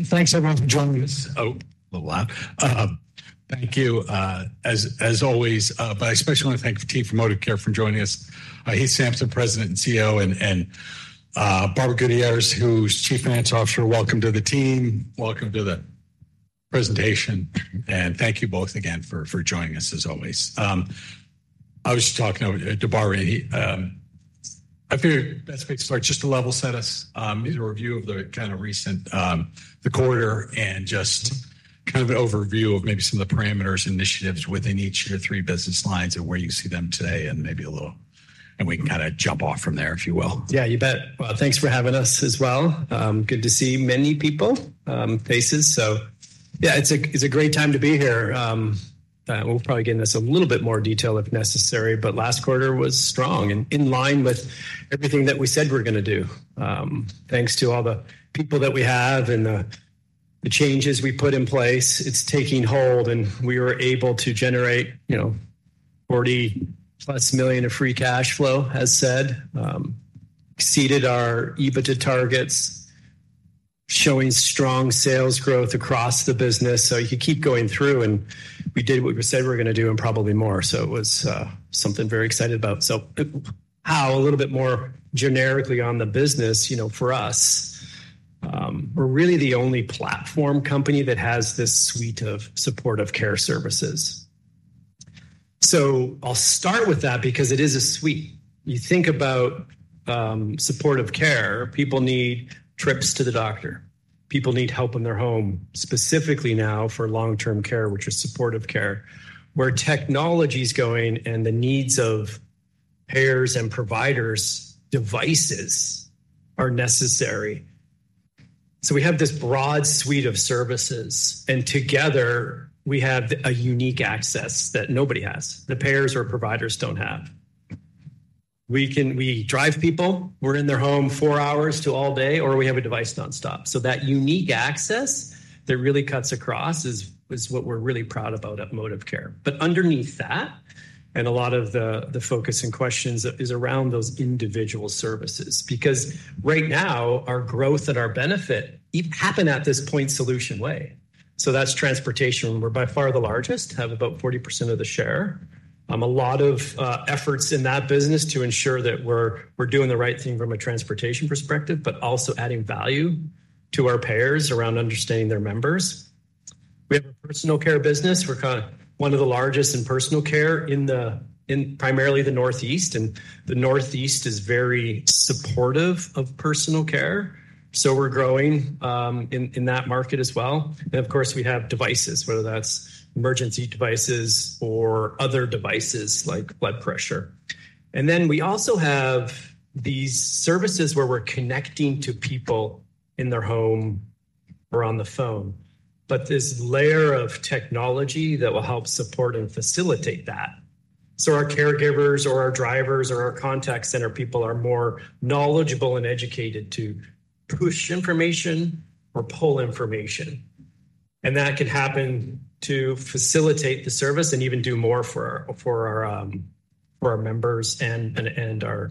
Thanks everyone for joining us. Oh, a little loud. Thank you, as always, but I especially want to thank the team from Modivcare for joining us. Heath Sampson, President and CEO, and Barbara Gutierrez, who's Chief Financial Officer. Welcome to the team. Welcome to the presentation and thank you both again for joining us as always. I was just talking to Barbara, and I figured best place to start, just to level set us, is a review of the kind of recent, the quarter, and just kind of an overview of maybe some of the parameters initiatives within each of the three business lines and where you see them today, and maybe a little, and we can kind of jump off from there, if you will. Yeah, you bet. Well, thanks for having us as well. Good to see many people, faces. So yeah, it's a great time to be here. We'll probably get into this a little bit more detail if necessary, but last quarter was strong and in line with everything that we said we're gonna do. Thanks to all the people that we have and the, the changes we put in place, it's taking hold, and we were able to generate, you know, $40+ million of free cash flow, as said. Exceeded our EBITDA targets, showing strong sales growth across the business. So you keep going through, and we did what we said we're gonna do and probably more, so it was something very excited about. So how a little bit more generically on the business, you know, for us, we're really the only platform company that has this suite of supportive care services. So I'll start with that because it is a suite. You think about, supportive care, people need trips to the doctor. People need help in their home, specifically now for long-term care, which is supportive care, where technology's going and the needs of payers and providers, devices are necessary. So we have this broad suite of services, and together, we have a unique access that nobody has, the payers or providers don't have. We can. We drive people, we're in their home four hours to all day, or we have a device nonstop. So that unique access that really cuts across is, is what we're really proud about at Modivcare. But underneath that, and a lot of the focus and questions is around those individual services, because right now, our growth and our benefit happen at this point solution way. So that's Transportation. We're by far the largest, have about 40% of the share. A lot of efforts in that business to ensure that we're doing the right thing from a transportation perspective but also adding value to our payers around understanding their members. We have a Personal Care business. We're kind of one of the largest in personal care in primarily the Northeast, and the Northeast is very supportive of personal care, so we're growing in that market as well. And of course, we have devices, whether that's emergency devices or other devices like blood pressure. And then we also have these services where we're connecting to people in their home or on the phone, but this layer of technology that will help support and facilitate that. So our caregivers or our drivers or our contact center people are more knowledgeable and educated to push information or pull information. And that could happen to facilitate the service and even do more for our members and our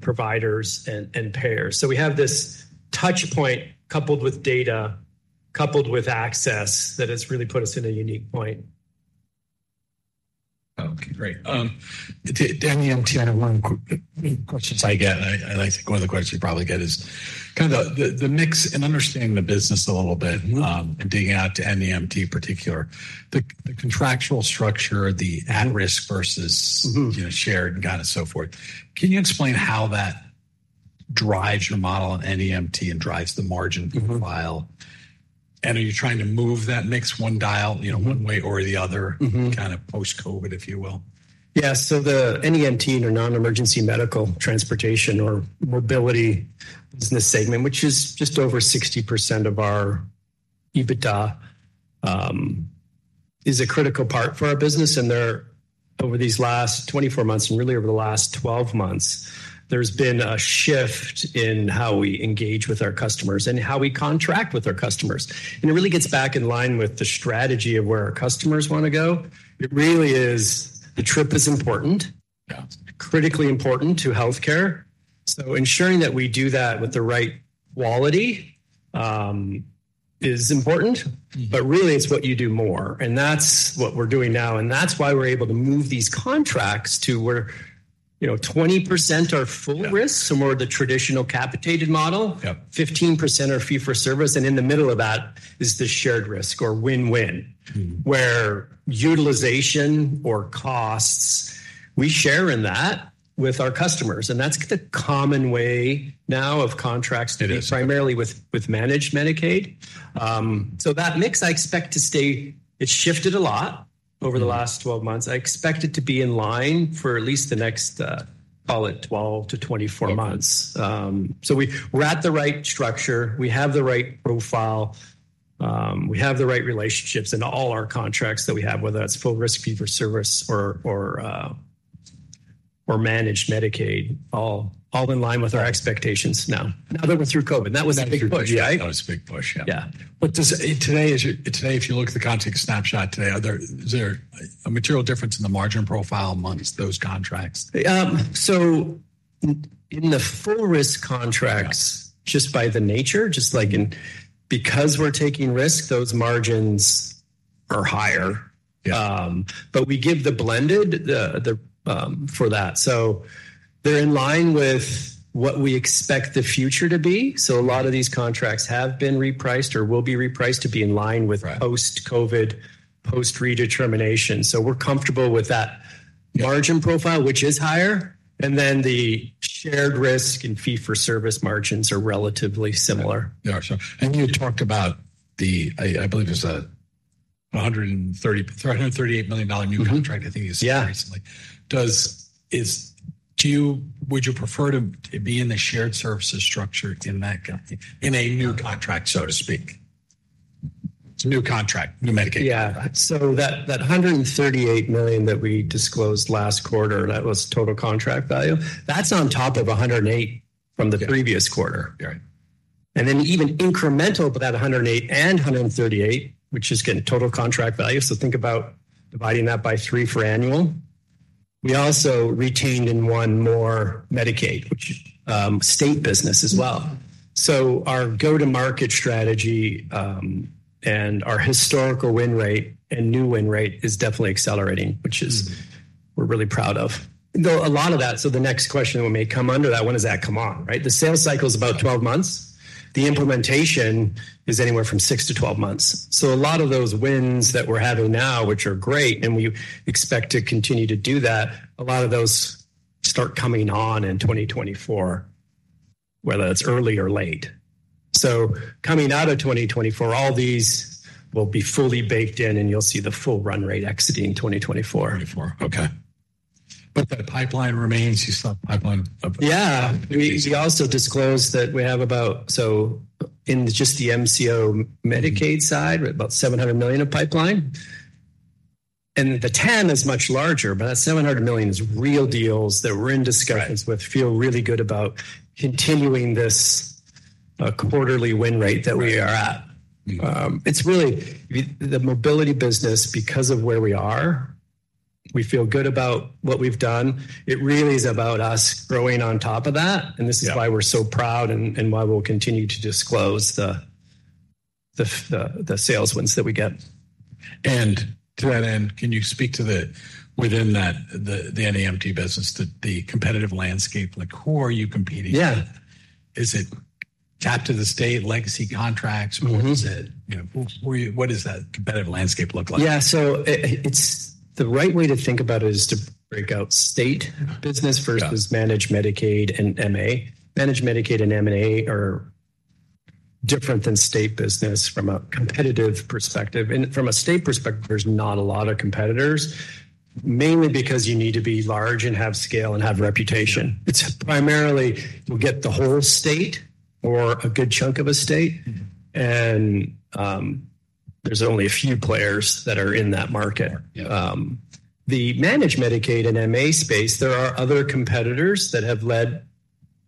providers and payers. So we have this touch point coupled with data, coupled with access, that has really put us in a unique point. Okay, great. NEMT, I have one quick question I get, and I think one of the questions you probably get is, kind of the mix and understanding the business a little bit- Mm-hmm. digging into NEMT in particular, the contractual structure, the at-risk versus- Mm-hmm... you know, shared guidance, so forth. Can you explain how that drives your model in NEMT and drives the margin profile? Mm-hmm. Are you trying to move that mix one dial, you know, one way or the other- Mm-hmm Kind of post-COVID, if you will? Yeah. So the NEMT or non-emergency medical transportation or mobility business segment, which is just over 60% of our EBITDA, is a critical part for our business, and there, over these last 24 months and really over the last 12 months, there's been a shift in how we engage with our customers and how we contract with our customers. And it really gets back in line with the strategy of where our customers wanna go. It really is, the trip is important- Yeah... critically important to healthcare. So ensuring that we do that with the right quality, is important. Mm-hmm... but really, it's what you do more, and that's what we're doing now, and that's why we're able to move these contracts to where, you know, 20% are full risk- Yeah... so more of the traditional capitated model. Yep. 15% are fee-for-service, and in the middle of that is the shared risk or win-win- Mm-hmm... where utilization or costs, we share in that with our customers, and that's the common way now of contracts- It is... primarily with managed Medicaid. So that mix, I expect to stay. It's shifted a lot over the last- Mm... 12 months. I expect it to be in line for at least the next, call it 12-24 months. Yep. So we're at the right structure, we have the right profile, we have the right relationships in all our contracts that we have, whether that's full risk, fee-for-service or managed Medicaid, all in line with our expectations now. Other than through COVID, that was a big push, right? That was a big push, yeah. Yeah. But today, if you look at the contract snapshot today, is there a material difference in the margin profile among those contracts? In the full-risk contracts, just by the nature, just like in, because we're taking risk, those margins are higher. Yeah. But we give the blended for that. So they're in line with what we expect the future to be. So a lot of these contracts have been repriced or will be repriced to be in line with- Right… post-COVID, post-redetermination. We're comfortable with that- Yeah... margin profile, which is higher, and then the shared risk and fee for service margins are relatively similar. They are. So and you talked about the, I believe it's $338 million new contract, I think you said- Yeah... recently. Would you prefer to be in the shared services structure in that contract, in a new contract, so to speak? It's a new contract, new Medicaid contract. Yeah. So that, that $138 million that we disclosed last quarter, that was total contract value. That's on top of $108 million from the previous quarter. Right. And then even incremental to that $108 million and $138 million, which is getting total contract value, so think about dividing that by three for annual. We also retained in one more Medicaid, which, state business as well. So our go-to-market strategy, and our historical win rate and new win rate is definitely accelerating, which is- Mm... we're really proud of. Though a lot of that, so the next question that may come under that, when does that come on? Right, the sales cycle is about 12 months. The implementation is anywhere from six to 12 months. So a lot of those wins that we're having now, which are great, and we expect to continue to do that, a lot of those start coming on in 2024, whether that's early or late. So coming out of 2024, all these will be fully baked in, and you'll see the full run rate exiting 2024. 2024. Okay. But the pipeline remains, you saw the pipeline of- Yeah. We also disclosed that we have about, so in just the MCO Medicaid side, we're at about $700 million of pipeline. And the TAM is much larger, but that $700 million is real deals that we're in discussions with- Right... feel really good about continuing this, quarterly win rate that we are at. Right. Mm. It's really the mobility business, because of where we are, we feel good about what we've done. It really is about us growing on top of that. Yeah. And this is why we're so proud and why we'll continue to disclose the sales wins that we get. And to that end, can you speak to the NEMT business within that, the competitive landscape, like, who are you competing with? Yeah. Is it tapped to the state legacy contracts? Mm-hmm. Or is it, you know, what does that competitive landscape look like? Yeah. So, it's the right way to think about it is to break out state business first- Yeah... versus Managed Medicaid and MA. Managed Medicaid and MA are different than state business from a competitive perspective. From a state perspective, there's not a lot of competitors, mainly because you need to be large and have scale and have reputation. Yeah. It's primarily you'll get the whole state or a good chunk of a state. Mm-hmm. There's only a few players that are in that market. Yeah. The Managed Medicaid and MA space, there are other competitors that have led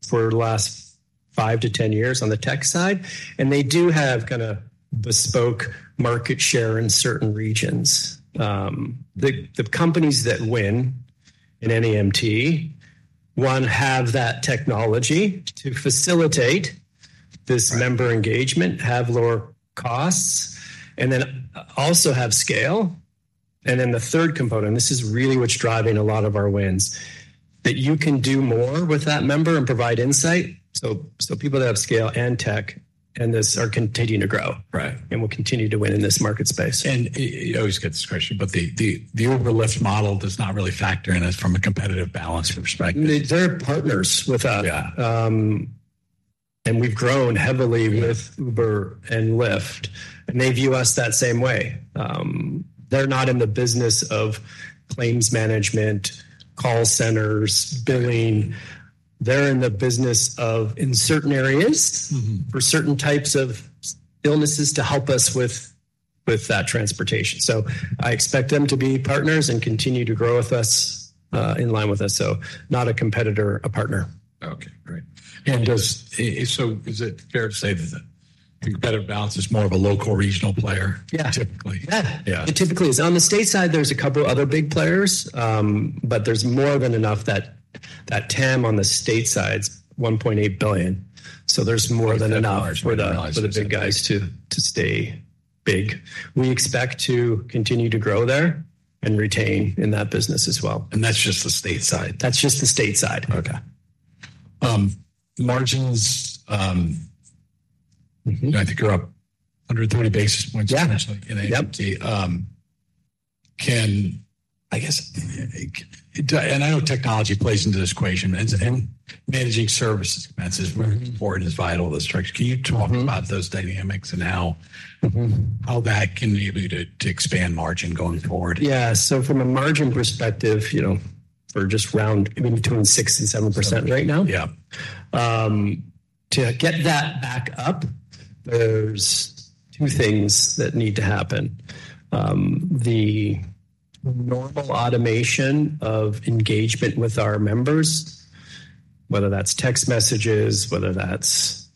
for the last five to 10 years on the tech side, and they do have kinda bespoke market share in certain regions. The companies that win in NEMT, one, have that technology to facilitate this- Right... member engagement, have lower costs, and then also have scale. And then the third component, this is really what's driving a lot of our wins, that you can do more with that member and provide insight. So, so people that have scale and tech and this are continuing to grow. Right. Will continue to win in this market space. I always get this question, but the Uber and Lyft model does not really factor in it from a competitive balance perspective. They're partners with that. Yeah. and we've grown heavily- Yeah... with Uber and Lyft, and they view us that same way. They're not in the business of claims management, call centers, billing. Right. They're in the business of, in certain areas- Mm-hmm... for certain types of illnesses, to help us with that transportation. So I expect them to be partners and continue to grow with us, in line with us. So not a competitor, a partner. Okay, great. Yeah. So is it fair to say that the competitive balance is more of a local, regional player? Yeah... typically? Yeah. Yeah. It typically is. On the state side, there's a couple of other big players, but there's more than enough that TAM on the state side is $1.8 billion, so there's more than enough- For the guys.... for the big guys to stay big. We expect to continue to grow there and retain in that business as well. That's just the stateside? That's just the stateside. Okay. Margins, Mm-hmm... I think you're up 130 basis points- Yeah... actually, in NEMT. Yep. I know technology plays into this equation, and managing services expenses- Mm-hmm... is very important, is vital to the structure. Mm-hmm. Can you talk about those dynamics and how- Mm-hmm... how that can lead you to expand margin going forward? Yeah. So from a margin perspective, you know, we're just around between 6% and 7% right now. Yeah. To get that back up, there's two things that need to happen. The normal automation of engagement with our members, whether that's text messages, whether that's,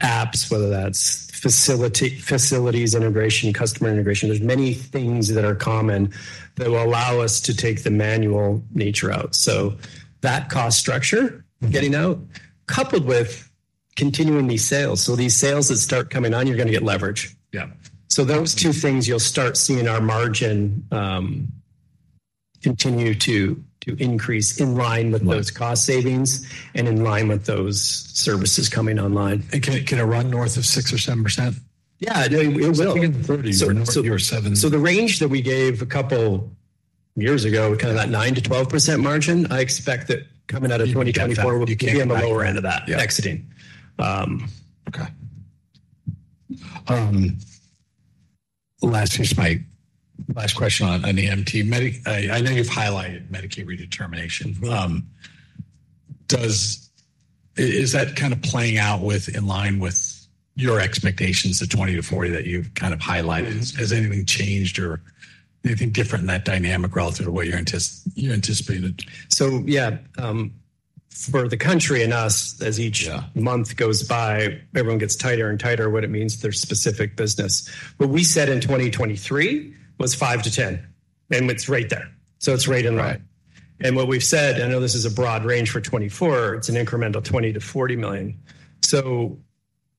apps, whether that's facility, facilities integration, customer integration, there's many things that are common that will allow us to take the manual nature out. So that cost structure- Mm-hmm getting out, coupled with continuing these sales. So these sales that start coming on, you're gonna get leverage. Yeah. So those two things, you'll start seeing our margin continue to increase in line with- Right those cost savings and in line with those services coming online. Can it run north of 6% or 7%? Yeah, it will. In the 30s or north of 7%. So the range that we gave a couple years ago, kind of that 9%-12% margin, I expect that coming out of 2024- You kept that. will be on the lower end of that. Yeah exiting. Okay. Last question, my last question on NEMT. I know you've highlighted Medicaid redetermination. Is that kind of playing out with in line with your expectations, the $20 million or $40 million that you've kind of highlighted? Mm-hmm. Has anything changed or anything different in that dynamic relative to what you anticipated? Yeah, for the country and us, as each- Yeah Month goes by, everyone gets tighter and tighter what it means to their specific business. What we said in 2023 was $5 million-$10 million, and it's right there, so it's right in line. Right. What we've said, I know this is a broad range for 2024, it's an incremental $20 million-$40 million. So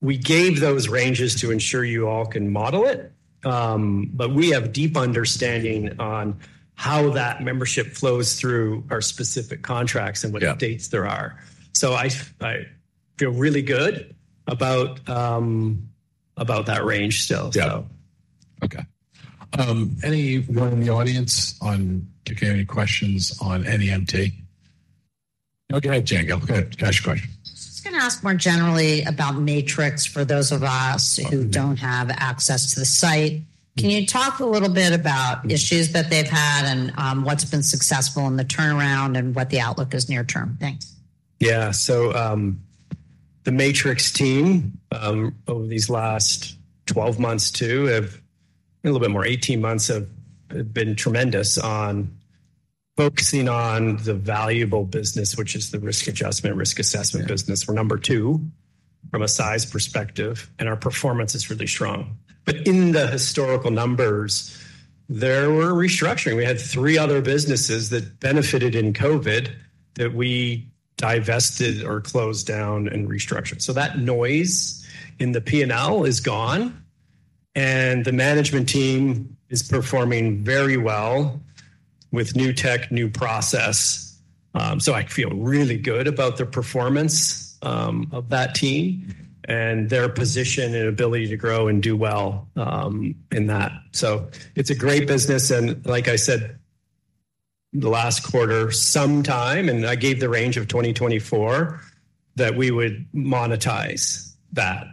we gave those ranges to ensure you all can model it, but we have deep understanding on how that membership flows through our specific contracts. Yeah - and what dates there are. So I feel really good about, about that range still. Yeah. So. Okay. Anyone in the audience on to get any questions on NEMT? Go ahead, Jane, go ahead, ask your question. I was just gonna ask more generally about Matrix. For those of us who don't have access to the site, can you talk a little bit about issues that they've had and what's been successful in the turnaround and what the outlook is near term? Thanks. Yeah. So, the Matrix team, over these last 12 months, too, have a little bit more, 18 months, have been tremendous on focusing on the valuable business, which is the risk adjustment, risk assessment business. Yeah. We're number two from a size perspective, and our performance is really strong. But in the historical numbers, there were restructuring. We had three other businesses that benefited in COVID, that we divested or closed down and restructured. So that noise in the P&L is gone, and the management team is performing very well with new tech, new process. So I feel really good about the performance of that team and their position and ability to grow and do well in that. So it's a great business, and like I said, the last quarter, sometime, and I gave the range of 2024, that we would monetize that.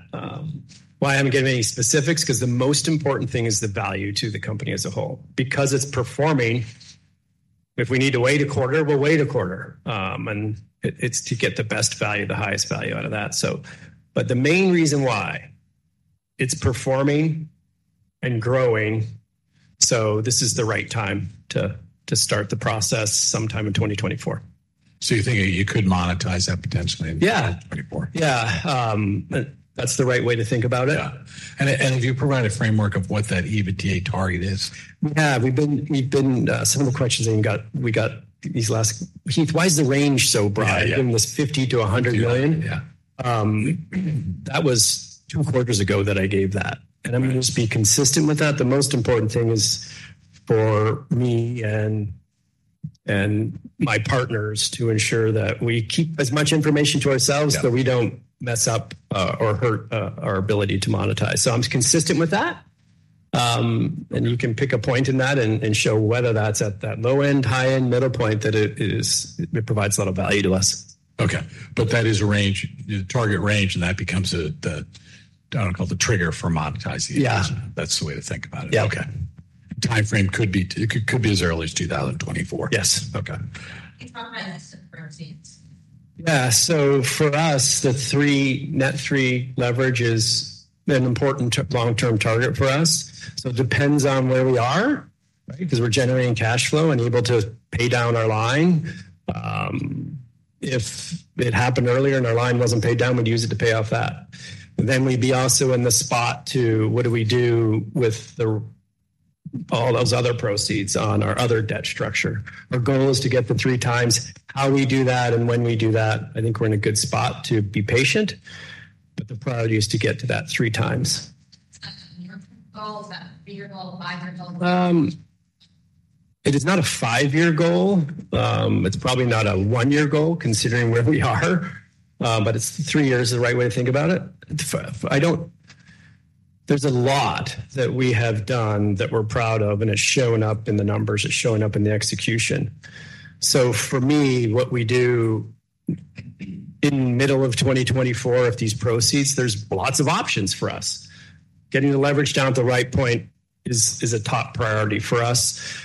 Why I haven't given any specifics, 'cause the most important thing is the value to the company as a whole. Because it's performing, if we need to wait a quarter, we'll wait a quarter, and it's to get the best value, the highest value out of that. But the main reason why, it's performing and growing, so this is the right time to start the process sometime in 2024. So you're thinking you could monetize that potentially in- Yeah ...2024? Yeah. That's the right way to think about it. Yeah. Have you provided a framework of what that EBITDA target is? Yeah, we've been similar questions, and we got these last: "Heith, why is the range so broad? Yeah. Was $50 million-$100 million? Yeah. That was two quarters ago that I gave that. Mm-hmm. I'm gonna just be consistent with that. The most important thing is for me and my partners to ensure that we keep as much information to ourselves- Yeah... so we don't mess up, or hurt, our ability to monetize. So I'm consistent with that. Mm. You can pick a point in that and show whether that's at that low end, high end, middle point, that it is. It provides a lot of value to us. Okay, but that is a range, the target range, and that becomes the, I don't know, called the trigger for monetizing? Yeah. That's the way to think about it. Yeah. Okay. Timeframe could be as early as 2024. Yes. Okay. Can you talk about the proceeds? Yeah. So for us, the 3, net 3 leverage is an important long-term target for us. So it depends on where we are, right? Because we're generating cash flow and able to pay down our line. If it happened earlier and our line wasn't paid down, we'd use it to pay off that. Then we'd be also in the spot to, what do we do with the, all those other proceeds on our other debt structure? Our goal is to get the 3x. How we do that and when we do that, I think we're in a good spot to be patient, but the priority is to get to that 3x. Is that your goal? Is that three-year goal, a five-year goal? It is not a five-year goal. It's probably not a one-year goal, considering where we are, but it's three years is the right way to think about it. I don't— There's a lot that we have done that we're proud of, and it's shown up in the numbers, it's shown up in the execution. So for me, what we do in middle of 2024, if these proceeds, there's lots of options for us. Getting the leverage down to the right point is a top priority for us,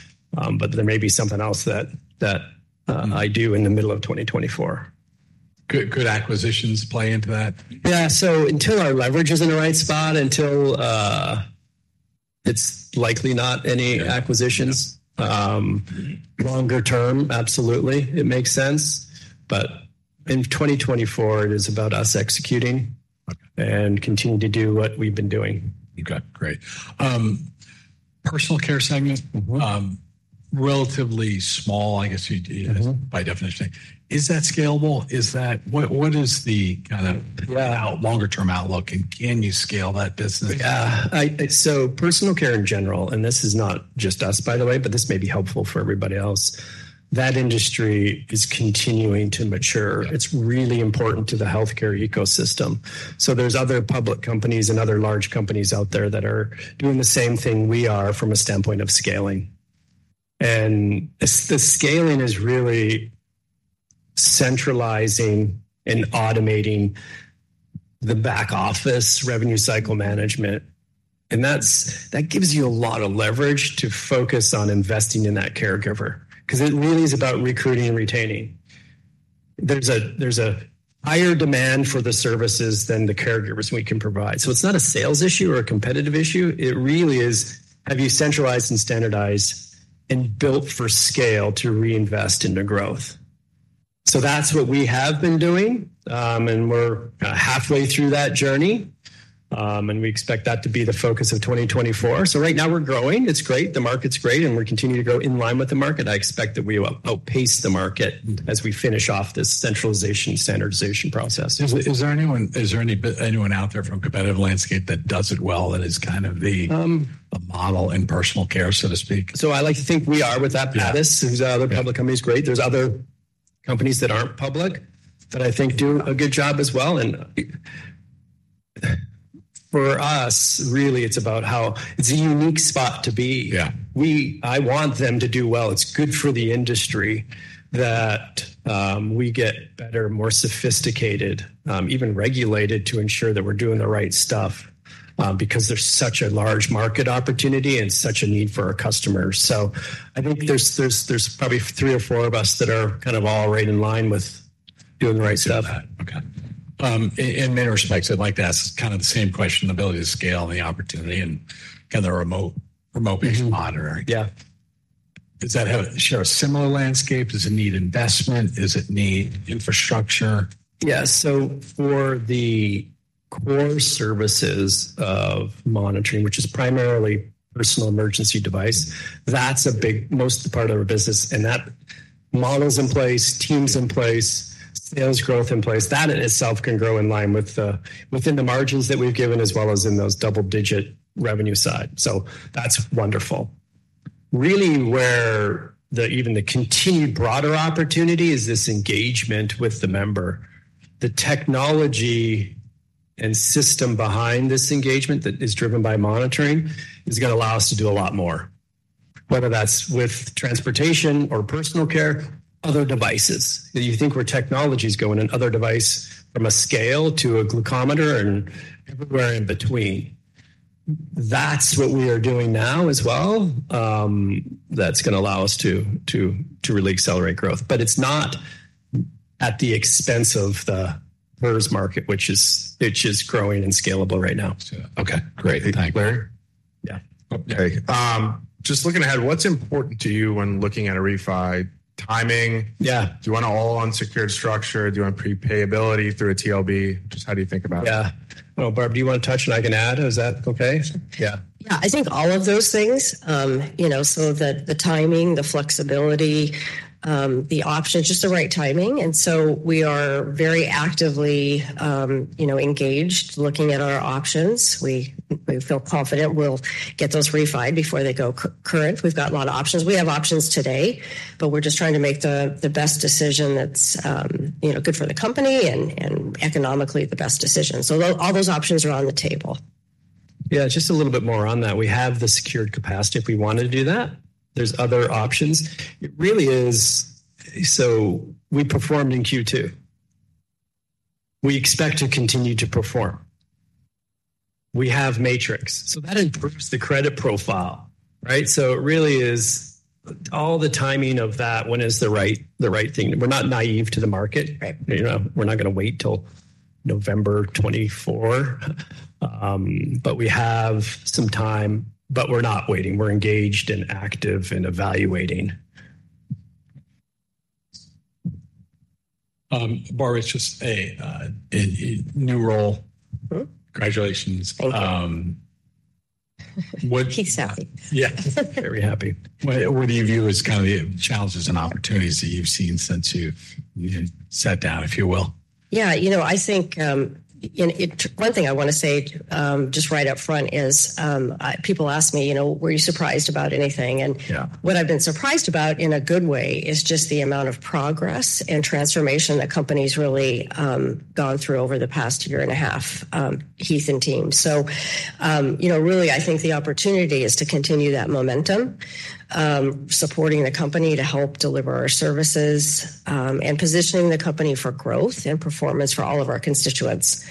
but there may be something else that I do in the middle of 2024. Good, could acquisitions play into that? Yeah. So until our leverage is in the right spot, It's likely not any acquisitions. Longer term, absolutely, it makes sense, but in 2024, it is about us executing- Okay. and continuing to do what we've been doing. Okay, great. Personal Care segment. Mm-hmm. Relatively small, I guess you'd Mm-hmm by definition. Is that scalable? Is that—what, what is the kinda- Yeah - longer term outlook, and can you scale that business? Yeah. I, so personal care in general, and this is not just us, by the way, but this may be helpful for everybody else. That industry is continuing to mature. Yeah. It's really important to the healthcare ecosystem. So there's other public companies and other large companies out there that are doing the same thing we are from a standpoint of scaling. And the scaling is really centralizing and automating the back office, revenue cycle management, and that gives you a lot of leverage to focus on investing in that caregiver because it really is about recruiting and retaining. There's a higher demand for the services than the caregivers we can provide. So it's not a sales issue or a competitive issue. It really is, have you centralized and standardized and built for scale to reinvest into growth? So that's what we have been doing, and we're halfway through that journey. And we expect that to be the focus of 2024. So right now we're growing. It's great. The market's great, and we're continuing to grow in line with the market. I expect that we will outpace the market as we finish off this centralization, standardization process. Is there anyone out there from competitive landscape that does it well, that is kind of the- Um - the model in personal care, so to speak? I like to think we are with that. Yeah. This, there's other public companies. Great. There's other companies that aren't public that I think do a good job as well. For us, really, it's about how it's a unique spot to be. Yeah. I want them to do well. It's good for the industry that we get better, more sophisticated, even regulated, to ensure that we're doing the right stuff, because there's such a large market opportunity and such a need for our customers. So I think there's probably three or four of us that are kind of all right in line with doing the right stuff. Okay. In that respect, I'd like to ask kind of the same question, the ability to scale and the opportunity and kind of the remote base monitoring. Yeah. Does that share a similar landscape? Does it need investment? Does it need infrastructure? Yeah. So for the core services of monitoring, which is primarily personal emergency device, that's a big, most part of our business, and that model's in place, team's in place, sales growth in place. That in itself can grow in line with the, within the margins that we've given, as well as in those double-digit revenue side. So that's wonderful. Really, where the, even the continued broader opportunity is this engagement with the member. The technology and system behind this engagement that is driven by monitoring, is gonna allow us to do a lot more, whether that's with Transportation or Personal Care, other devices that you think where technology is going, and other device from a scale to a glucometer and everywhere in between. That's what we are doing now as well. That's gonna allow us to really accelerate growth. But it's not at the expense of the current market, which is growing and scalable right now. Okay, great. Thank you. Larry? Yeah. Okay. Just looking ahead, what's important to you when looking at a refi? Timing? Yeah. Do you want all unsecured structure? Do you want prepayability through a TLB? Just how do you think about it? Yeah. Well, Barb, do you want to touch, and I can add? Is that okay? Yeah. Yeah, I think all of those things, you know, so the timing, the flexibility, the options, just the right timing. And so we are very actively, you know, engaged, looking at our options. We feel confident we'll get those refinanced before they go current. We've got a lot of options. We have options today, but we're just trying to make the best decision that's, you know, good for the company and economically the best decision. So all those options are on the table. Yeah, just a little bit more on that. We have the secured capacity. If we wanted to do that, there's other options. It really is... So we performed in Q2. We expect to continue to perform. We have Matrix, so that improves the credit profile, right? So it really is all the timing of that. When is the right, the right thing? We're not naive to the market, right? You know, we're not gonna wait till November 2024, but we have some time, but we're not waiting. We're engaged and active in evaluating. Barb, it's just a new role. Mm. Congratulations. Thank you. Um, what- Yeah, very happy. What, what do you view as kind of the challenges and opportunities that you've seen since you've sat down, if you will? Yeah, you know, I think, one thing I want to say, just right up front is, people ask me, you know, "Were you surprised about anything? Yeah. And what I've been surprised about, in a good way, is just the amount of progress and transformation the company's really gone through over the past year and a half, Heath and team. So, you know, really, I think the opportunity is to continue that momentum, supporting the company to help deliver our services, and positioning the company for growth and performance for all of our constituents.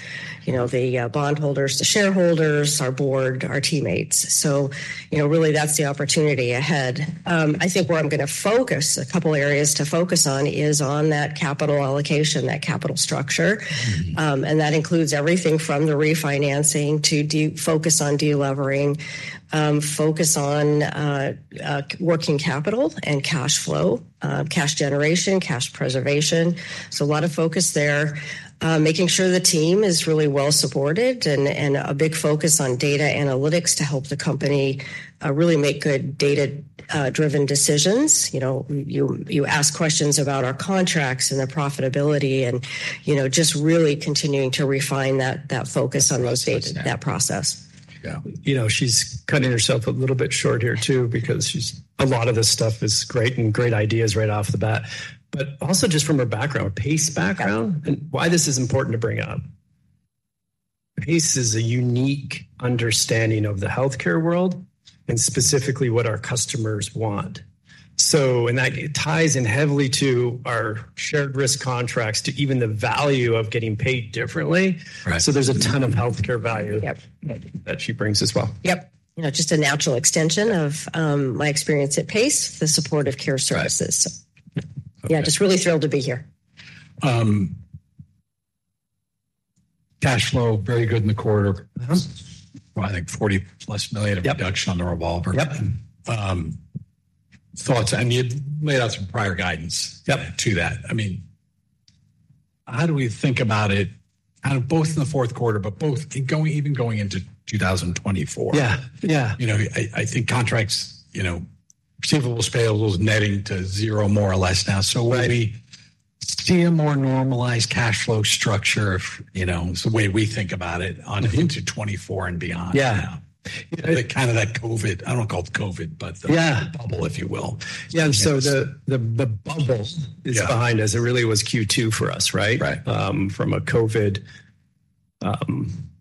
You know, the bondholders, the shareholders, our board, our teammates. So, you know, really, that's the opportunity ahead. I think where I'm gonna focus, a couple of areas to focus on, is on that capital allocation, that capital structure. Mm-hmm. And that includes everything from the refinancing to focus on delevering, focus on working capital and cash flow, cash generation, cash preservation. So a lot of focus there. Making sure the team is really well supported, and a big focus on data analytics to help the company really make good data driven decisions. You know, you ask questions about our contracts and their profitability and, you know, just really continuing to refine that focus on those data, that process. Yeah, you know, she's cutting herself a little bit short here, too, because she's a lot of this stuff is great and great ideas right off the bat, but also just from her background, PACE background, and why this is important to bring up. PACE is a unique understanding of the healthcare world and specifically what our customers want. So, and that ties in heavily to our shared risk contracts, to even the value of getting paid differently. Right. There's a ton of healthcare value- Yep. that she brings as well. Yep. You know, just a natural extension of my experience at PACE, the supportive care services. Right. Yeah, just really thrilled to be here. Cash flow, very good in the quarter. Uh-huh. Well, I think $40+ million- Yep. of reduction on the revolver. Yep. Thoughts, and you'd laid out some prior guidance- Yep. -to that. I mean, how do we think about it both in the fourth quarter, but both go, even going into 2024? Yeah. Yeah. You know, I think contracts, you know, receivables, payables, netting to zero, more or less now. Right. So would we see a more normalized cash flow structure if, you know, the way we think about it on into 2024 and beyond now? Yeah. COVID, I don't call it COVID, but the- Yeah bubble, if you will. Yeah, so the bubble- Yeah is behind us. It really was Q2 for us, right? Right. From a COVID,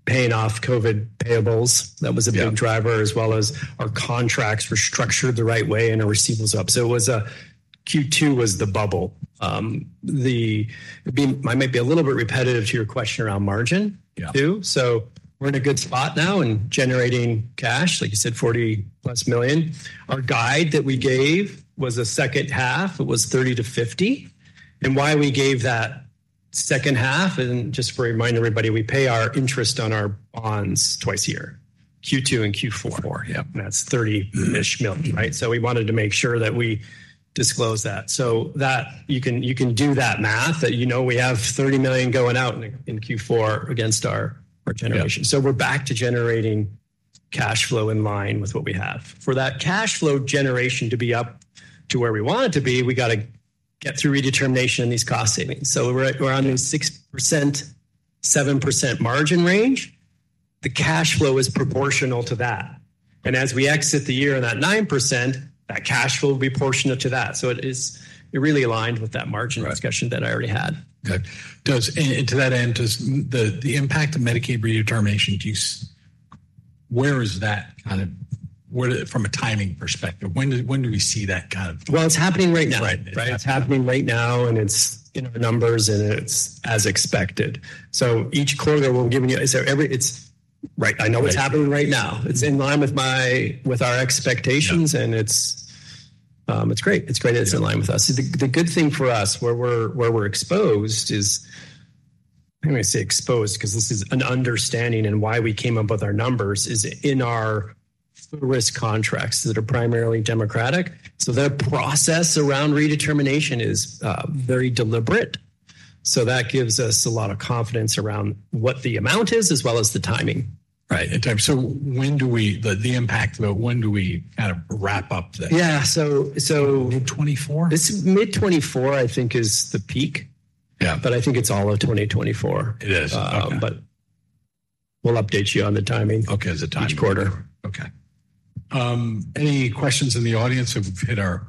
paying off COVID payables, that was a- Yeah big driver, as well as our contracts were structured the right way, and our receivables up. So it was Q2 was the bubble. I might be a little bit repetitive to your question around margin- Yeah Too. So we're in a good spot now and generating cash, like you said, $40+ million. Our guide that we gave was the second half, it was $30-$50, and why we gave that second half, and just to remind everybody, we pay our interest on our bonds twice a year, Q2 and Q4. Four, yep. That's $30-ish million, right? So we wanted to make sure that we disclosed that. So that you can do that math, that you know we have $30 million going out in Q4 against our generation. Yeah. So we're back to generating cash flow in line with what we have. For that cash flow generation to be up to where we want it to be, we got to get through redetermination and these cost savings. So we're at around the 6%-7% margin range. The cash flow is proportional to that. And as we exit the year on that 9%, that cash flow will be proportional to that. So it is, it really aligned with that margin discussion- Right. -that I already had. Okay. And to that end, does the impact of Medicaid Redetermination, do you, where is that kind of, where, from a timing perspective, when do we see that kind of? Well, it's happening right now. Right. Right. It's happening right now, and it's in the numbers, and it's as expected. So each quarter, we're giving you. Right, I know it's happening right now. Yeah. It's in line with our expectations. Yeah. It's great. It's great it's in line with us. Yeah. The good thing for us, where we're exposed, is, I'm gonna say exposed 'cause this is an understanding and why we came up with our numbers, is in our risk contracts that are primarily Democratic. So their process around redetermination is very deliberate. So that gives us a lot of confidence around what the amount is, as well as the timing. Right. So when do we see the impact, though? When do we kind of wrap up that? Yeah, so, 2024? This mid-2024, I think, is the peak. Yeah. I think it's all of 2024. It is. Okay. But we'll update you on the timing- Okay, the timing. -each quarter. Okay. Any questions in the audience? We've hit our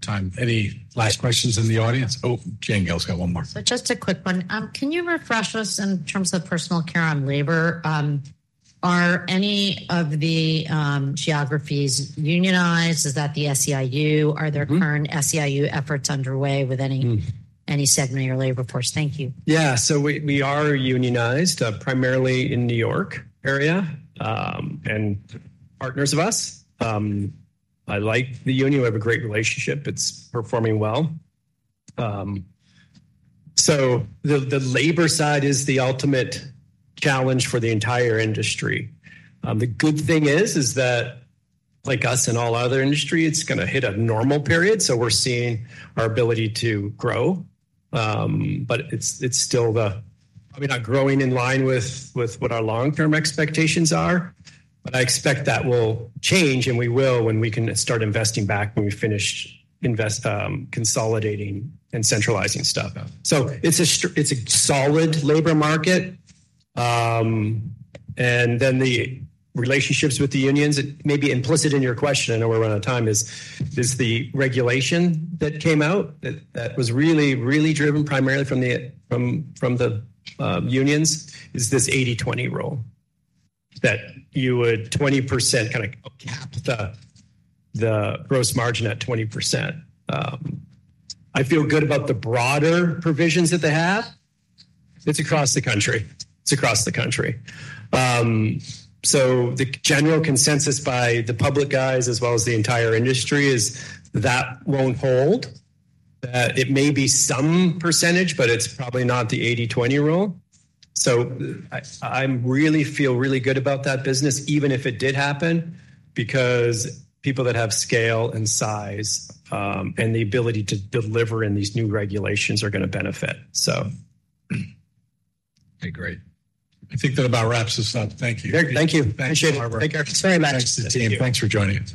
time. Any last questions in the audience? Oh, Jane Gale's got one more. Just a quick one. Can you refresh us in terms of personal care on labor? Are any of the geographies unionized? Is that the SEIU? Mm-hmm. Are there current SEIU efforts underway with any- Mm. any segment of your labor force? Thank you. Yeah. So we are unionized primarily in New York area, and partners of us. I like the union. We have a great relationship. It's performing well. So the labor side is the ultimate challenge for the entire industry. The good thing is that, like us and all other industry, it's gonna hit a normal period, so we're seeing our ability to grow. But it's still probably not growing in line with what our long-term expectations are, but I expect that will change, and we will when we can start investing back, when we finish invest, consolidating and centralizing stuff. Yeah. So it's a solid labor market. And then the relationships with the unions, it may be implicit in your question, I know we're out of time, is the regulation that came out that was really driven primarily from the unions, is this 80/20 rule, that you would 20% kind of cap the gross margin at 20%. I feel good about the broader provisions that they have. It's across the country. It's across the country. So the general consensus by the public guys, as well as the entire industry, is that won't hold, that it may be some percentage, but it's probably not the 80/20 rule. So, I'm really feel really good about that business, even if it did happen, because people that have scale and size, and the ability to deliver in these new regulations are gonna benefit, so. Okay, great. I think that about wraps this up. Thank you. Thank you. Thanks, Barbara. Appreciate it. Thank you very much. Thanks to the team. Thanks for joining us.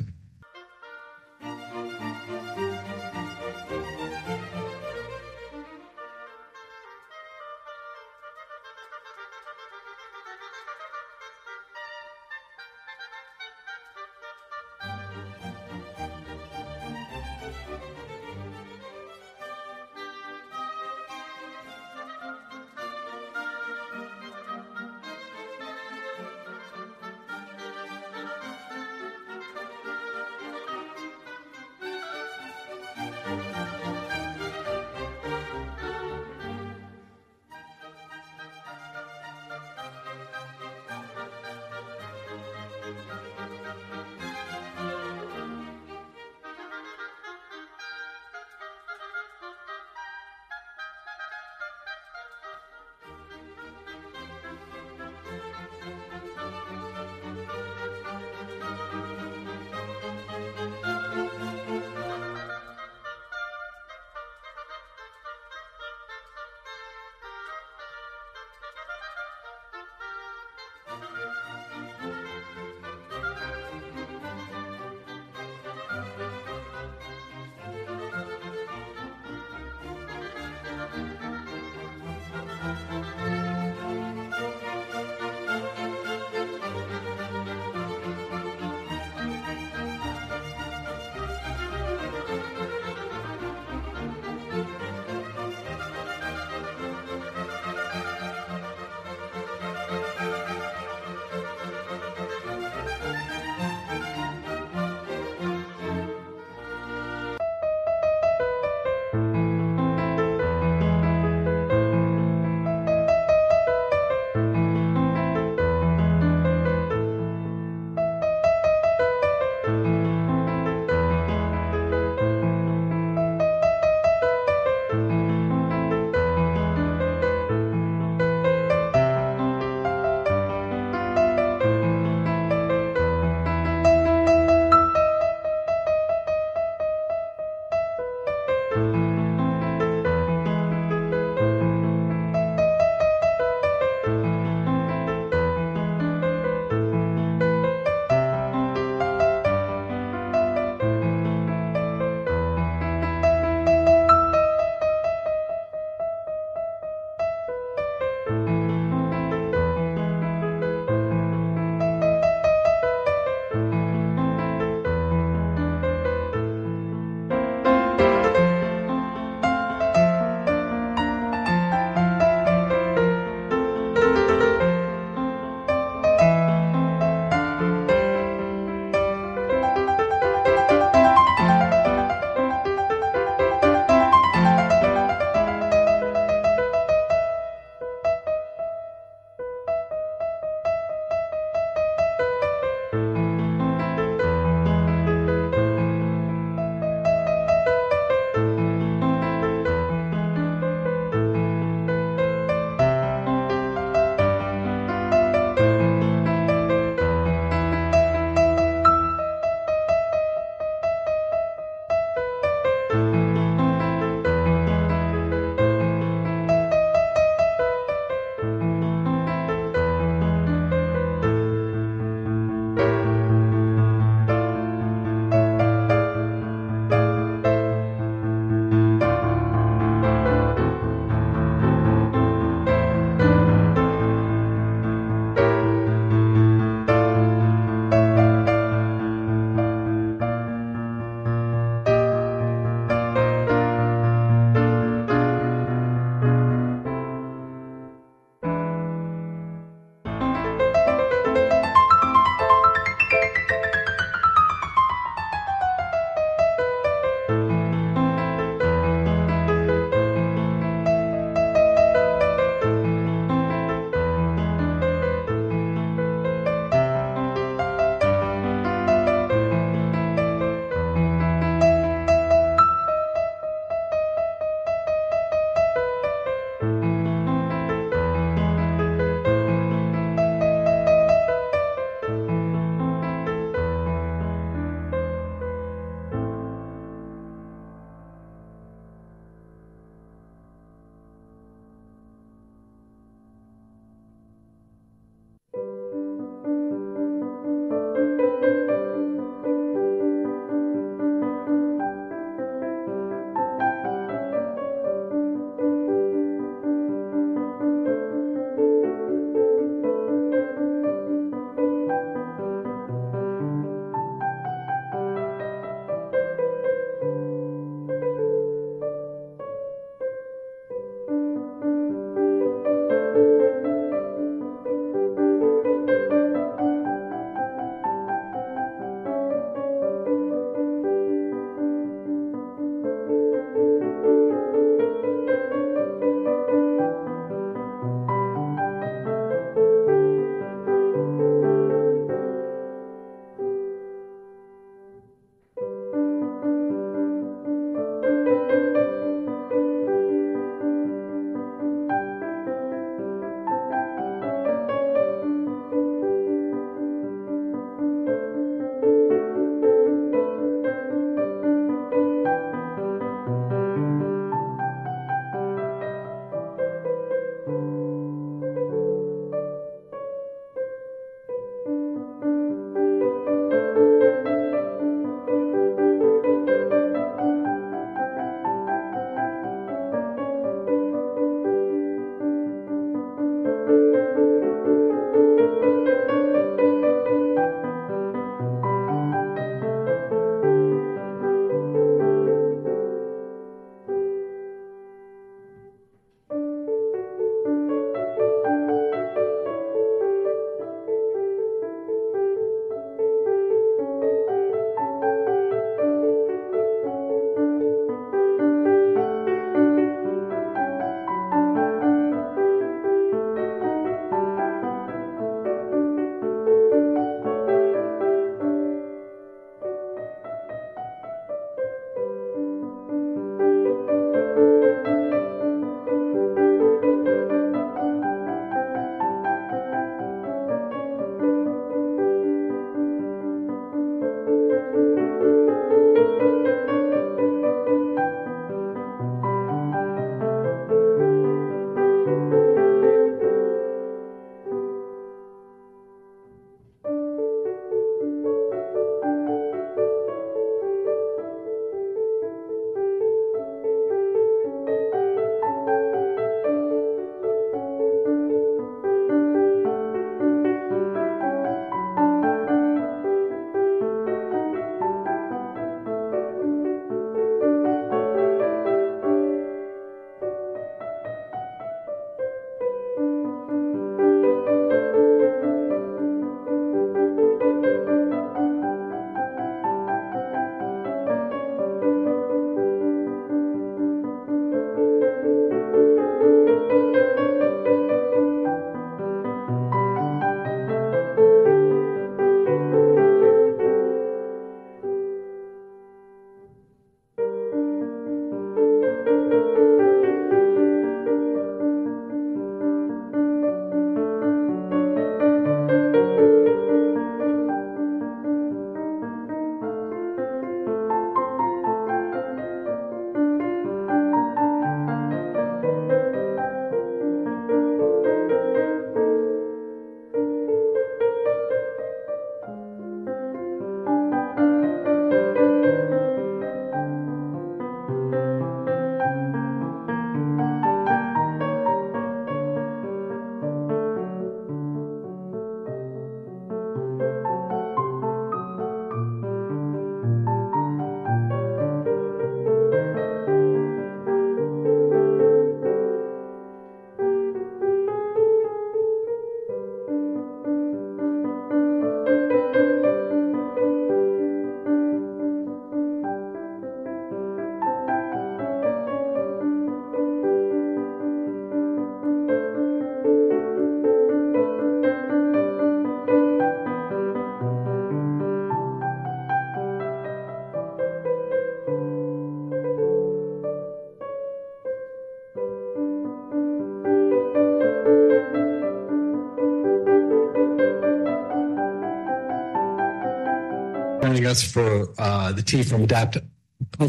For the team from AdaptHealth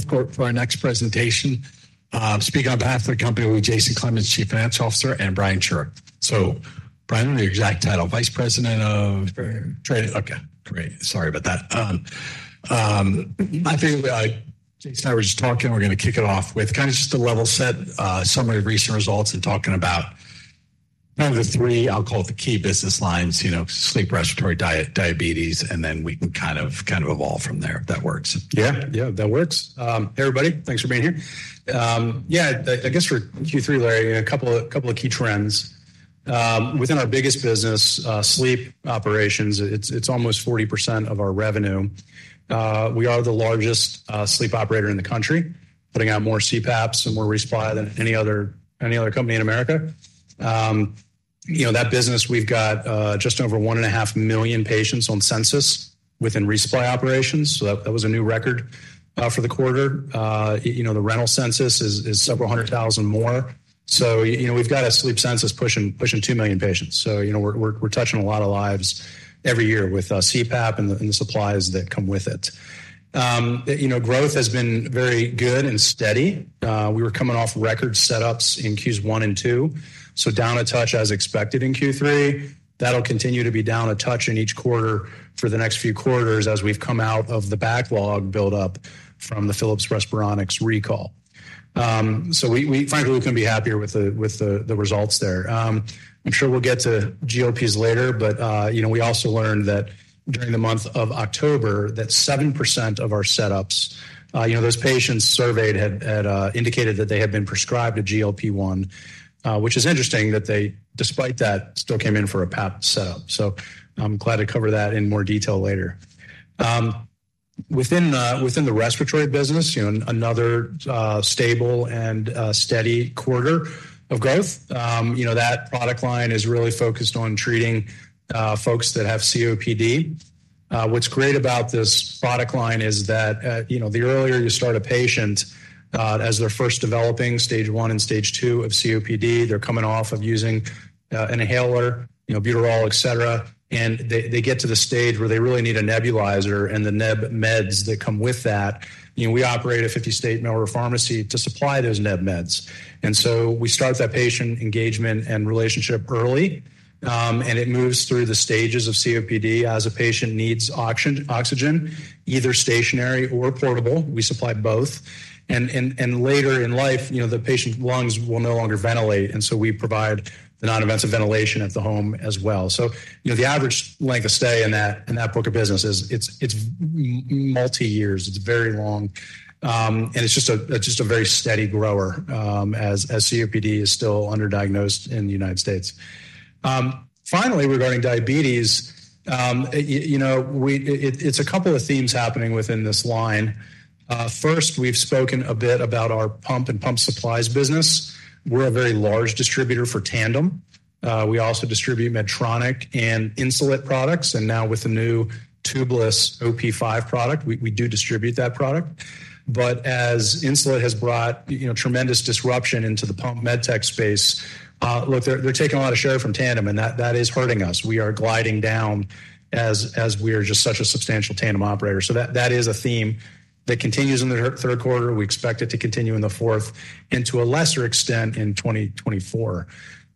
Corp for our next presentation. Speaking on behalf of the company will be Jason Clemens, Chief Financial Officer, and Brian Scheuer. So Brian, your exact title, Vice President of- Treasurer. Trading. Okay, great. Sorry about that. I think, Jason and I were just talking, we're gonna kick it off with kind of just a level set, summary of recent results and talking about kind of the three, I'll call it the key business lines, you know, sleep, respiratory, diet-diabetes, and then we can kind of, kind of evolve from there, if that works. Yeah? Yeah, that works. Hey, everybody. Thanks for being here. Yeah, I guess for Q3, Larry, a couple of key trends. Within our biggest business, sleep operations, it's almost 40% of our revenue. We are the largest sleep operator in the country, putting out more CPAPs and more resupply than any other company in America. You know, that business, we've got just over 1.5 million patients on census within resupply operations, so that was a new record for the quarter. You know, the rental census is several hundred thousand more. So, you know, we've got a sleep census pushing 2 million patients. So, you know, we're touching a lot of lives every year with CPAP and the supplies that come with it. You know, growth has been very good and steady. We were coming off record setups in Q1 and Q2, so down a touch as expected in Q3. That'll continue to be down a touch in each quarter for the next few quarters as we've come out of the backlog buildup from the Philips Respironics recall. So we, we frankly, we couldn't be happier with the, with the, the results there. I'm sure we'll get to GLPs later, but, you know, we also learned that during the month of October, that 7% of our setups, you know, those patients surveyed had, had, indicated that they had been prescribed a GLP-1, which is interesting that they, despite that, still came in for a PAP setup. So I'm glad to cover that in more detail later. Within the respiratory business, you know, another stable and steady quarter of growth. You know, that product line is really focused on treating folks that have COPD. What's great about this product line is that, you know, the earlier you start a patient as they're first developing stage one and stage two of COPD, they're coming off of using an inhaler, you know, albuterol, et cetera. And they get to the stage where they really need a nebulizer and the neb meds that come with that. You know, we operate a 50-state mail order pharmacy to supply those neb meds. And so we start that patient engagement and relationship early, and it moves through the stages of COPD as a patient needs oxygen, either stationary or portable, we supply both. Later in life, you know, the patient's lungs will no longer ventilate, and so we provide the non-invasive ventilation at the home as well. So, you know, the average length of stay in that book of business is it's multi-years. It's very long, and it's just a very steady grower, as COPD is still underdiagnosed in the United States. Finally, regarding diabetes, you know, it's a couple of themes happening within this line. First, we've spoken a bit about our pump and pump supplies business. We're a very large distributor for Tandem. We also distribute Medtronic and Insulet products, and now with the new tubeless OP5 product, we do distribute that product. But as Insulet has brought, you know, tremendous disruption into the pump med tech space, look, they're taking a lot of share from Tandem, and that is hurting us. We are gliding down as we are just such a substantial Tandem operator. So that is a theme that continues in the third quarter. We expect it to continue in the fourth and to a lesser extent, in 2024.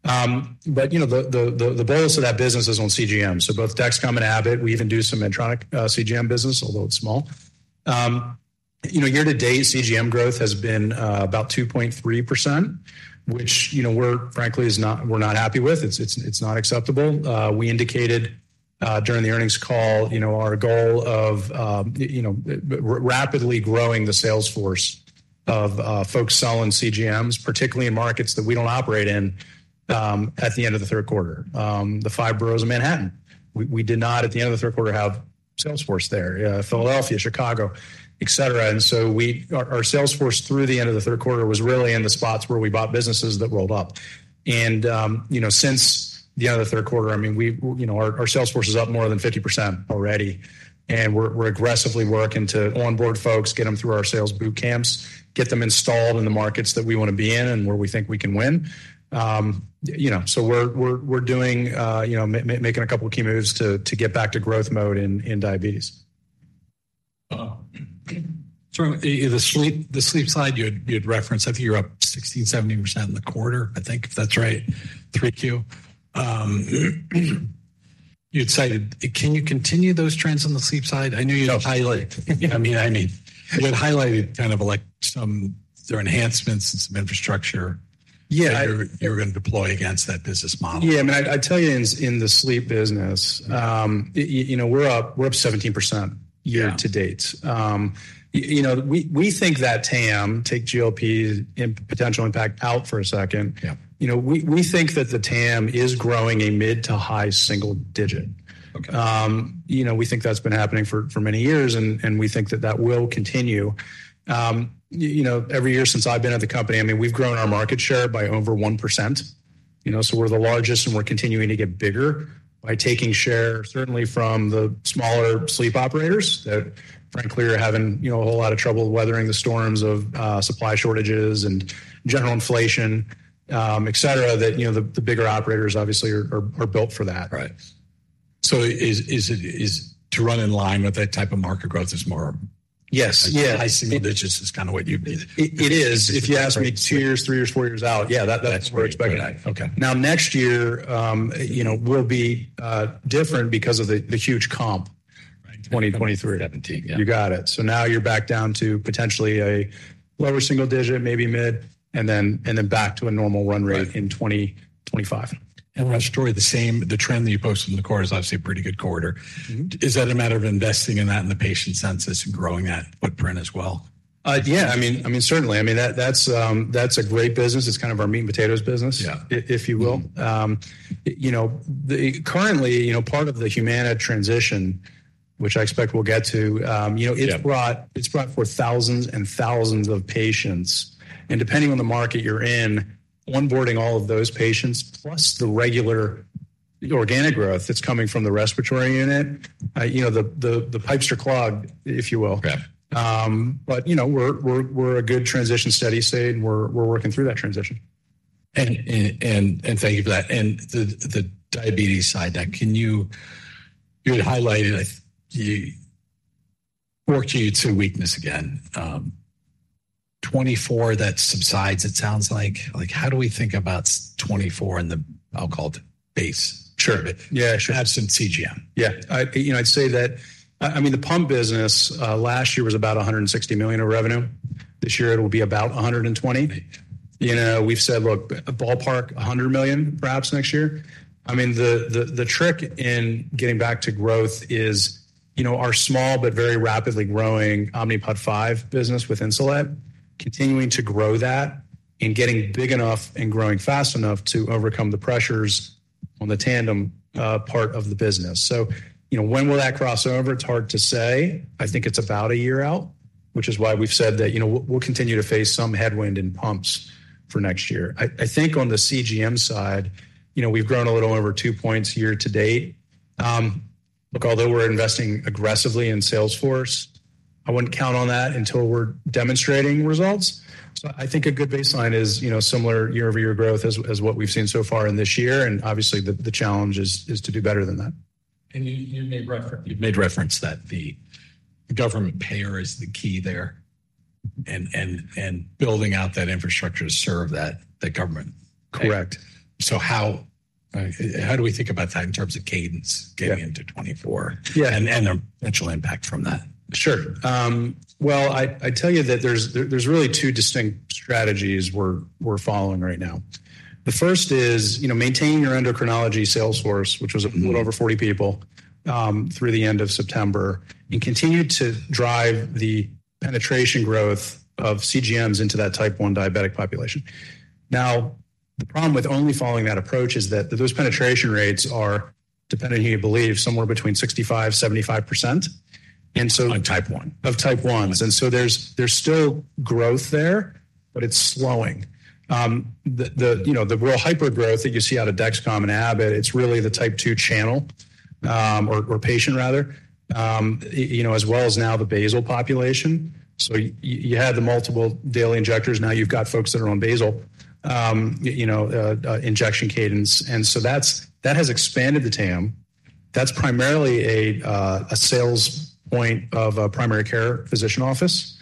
But you know, the base of that business is on CGM. So both Dexcom and Abbott, we even do some Medtronic CGM business, although it's small. You know, year to date, CGM growth has been about 2.3%, which, you know, we're frankly, is not—we're not happy with. It's not acceptable. We indicated, during the earnings call, you know, our goal of, you know, rapidly growing the sales force of, folks selling CGMs, particularly in markets that we don't operate in, at the end of the third quarter, the Five Boroughs of Manhattan. We did not, at the end of the third quarter, have sales force there, Philadelphia, Chicago, et cetera. And so our sales force through the end of the third quarter was really in the spots where we bought businesses that rolled up. You know, since the end of the third quarter, I mean, we've, you know, our sales force is up more than 50% already, and we're doing, you know, making a couple of key moves to get back to growth mode in diabetes. So the sleep side, you had referenced, I think you're up 16, 17% in the quarter. I think if that's right, Q3. You'd cited... Can you continue those trends on the sleep side? Yes. I know you highlighted. I mean, you had highlighted kind of like some, there are enhancements and some infrastructure- Yeah you were gonna deploy against that business model. Yeah, I mean, I tell you, in the sleep business, you know, we're up, we're up 17%- Yeah Year to date. You know, we think that TAM, take GLP and potential impact out for a second. Yeah. You know, we think that the TAM is growing a mid to high single digit. Okay. You know, we think that's been happening for many years, and we think that that will continue. You know, every year since I've been at the company, I mean, we've grown our market share by over 1%, you know, so we're the largest, and we're continuing to get bigger by taking share, certainly from the smaller sleep operators that frankly are having, you know, a whole lot of trouble weathering the storms of supply shortages and general inflation, et cetera, that, you know, the bigger operators obviously are built for that. Right. So is it to run in line with that type of market growth? Is more- Yes. Yeah. High single digits is kind of what you... It is. If you ask me two years, three years, four years out, yeah, that, that's what we're expecting. Okay. Now, next year, you know, will be different because of the huge comp- Right -2023. 17%, yeah. You got it. So now you're back down to potentially a lower single digit, maybe mid, and then, and then back to a normal run rate- Right in 2025. That story, the same, the trend that you posted in the quarter is obviously a pretty good quarter. Mm-hmm. Is that a matter of investing in that, in the patient census, and growing that footprint as well? Yeah, I mean, I mean, certainly, I mean, that, that's, that's a great business. It's kind of our meat and potatoes business. Yeah... if you will. You know, currently, you know, part of the Humana transition, which I expect we'll get to, you know- Yeah... it's brought forth thousands and thousands of patients, and depending on the market you're in, onboarding all of those patients, plus the regular organic growth that's coming from the respiratory unit, you know, the pipes are clogged, if you will. Yeah. But, you know, we're a good transition, steady state, and we're working through that transition. Thank you for that. And the diabetes side, that—can you—you had highlighted, I think, you 4Q, it's a weakness again. 2024, that subsides, it sounds like. Like, how do we think about 2024 in the, I'll call it, base? Sure. Yeah, sure. Absolutely CGM. Yeah, I, you know, I'd say that, I mean, the pump business, last year was about $160 million of revenue. This year, it will be about $120 million. You know, we've said, look, ballpark, $100 million, perhaps next year. I mean, the trick in getting back to growth is, you know, our small but very rapidly growing Omnipod 5 business with Insulet, continuing to grow that and getting big enough and growing fast enough to overcome the pressures on the Tandem part of the business. So, you know, when will that cross over? It's hard to say. I think it's about a year out, which is why we've said that, you know, we'll continue to face some headwind in pumps for next year. I think on the CGM side, you know, we've grown a little over 2 points year to date. Look, although we're investing aggressively in sales force, I wouldn't count on that until we're demonstrating results. So I think a good baseline is, you know, similar year-over-year growth as what we've seen so far in this year, and obviously, the challenge is to do better than that. You made reference that the government payer is the key there, and building out that infrastructure to serve that, the government. Correct. So how do we think about that in terms of cadence getting into 2024? Yeah. And the potential impact from that? Sure. Well, I tell you that there's really two distinct strategies we're following right now. The first is, you know, maintaining your endocrinology sales force, which was- Mm-hmm... a little over 40 people through the end of September, and continue to drive the penetration growth of CGMs into that type 1 diabetic population. Now, the problem with only following that approach is that those penetration rates are dependent, he believed, somewhere between 65%-75%. And so- Of type 1? Of type ones. And so there's still growth there, but it's slowing. You know, the real hypergrowth that you see out of Dexcom and Abbott, it's really the type 2 channel, or patient rather, you know, as well as now the basal population. So you had the multiple daily injectors, now you've got folks that are on basal, you know, injection cadence. And so that's, that has expanded the TAM. That's primarily a sales point of a primary care physician office.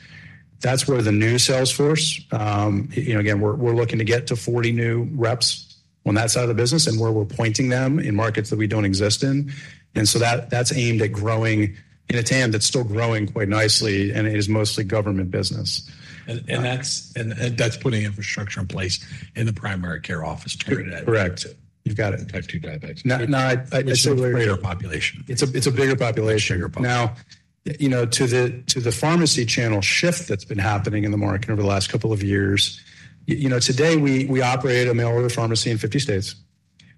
That's where the new sales force, you know, again, we're looking to get to 40 new reps on that side of the business and where we're pointing them in markets that we don't exist in. And so that's aimed at growing in a TAM that's still growing quite nicely and is mostly government business. And that's putting infrastructure in place in the primary care office to do that. Correct. You've got it. Type 2 diabetics. No, no, I- It's a greater population. It's a bigger population. Bigger population. Now, you know, to the pharmacy channel shift that's been happening in the market over the last couple of years, you know, today we operate a mail order pharmacy in 50 states.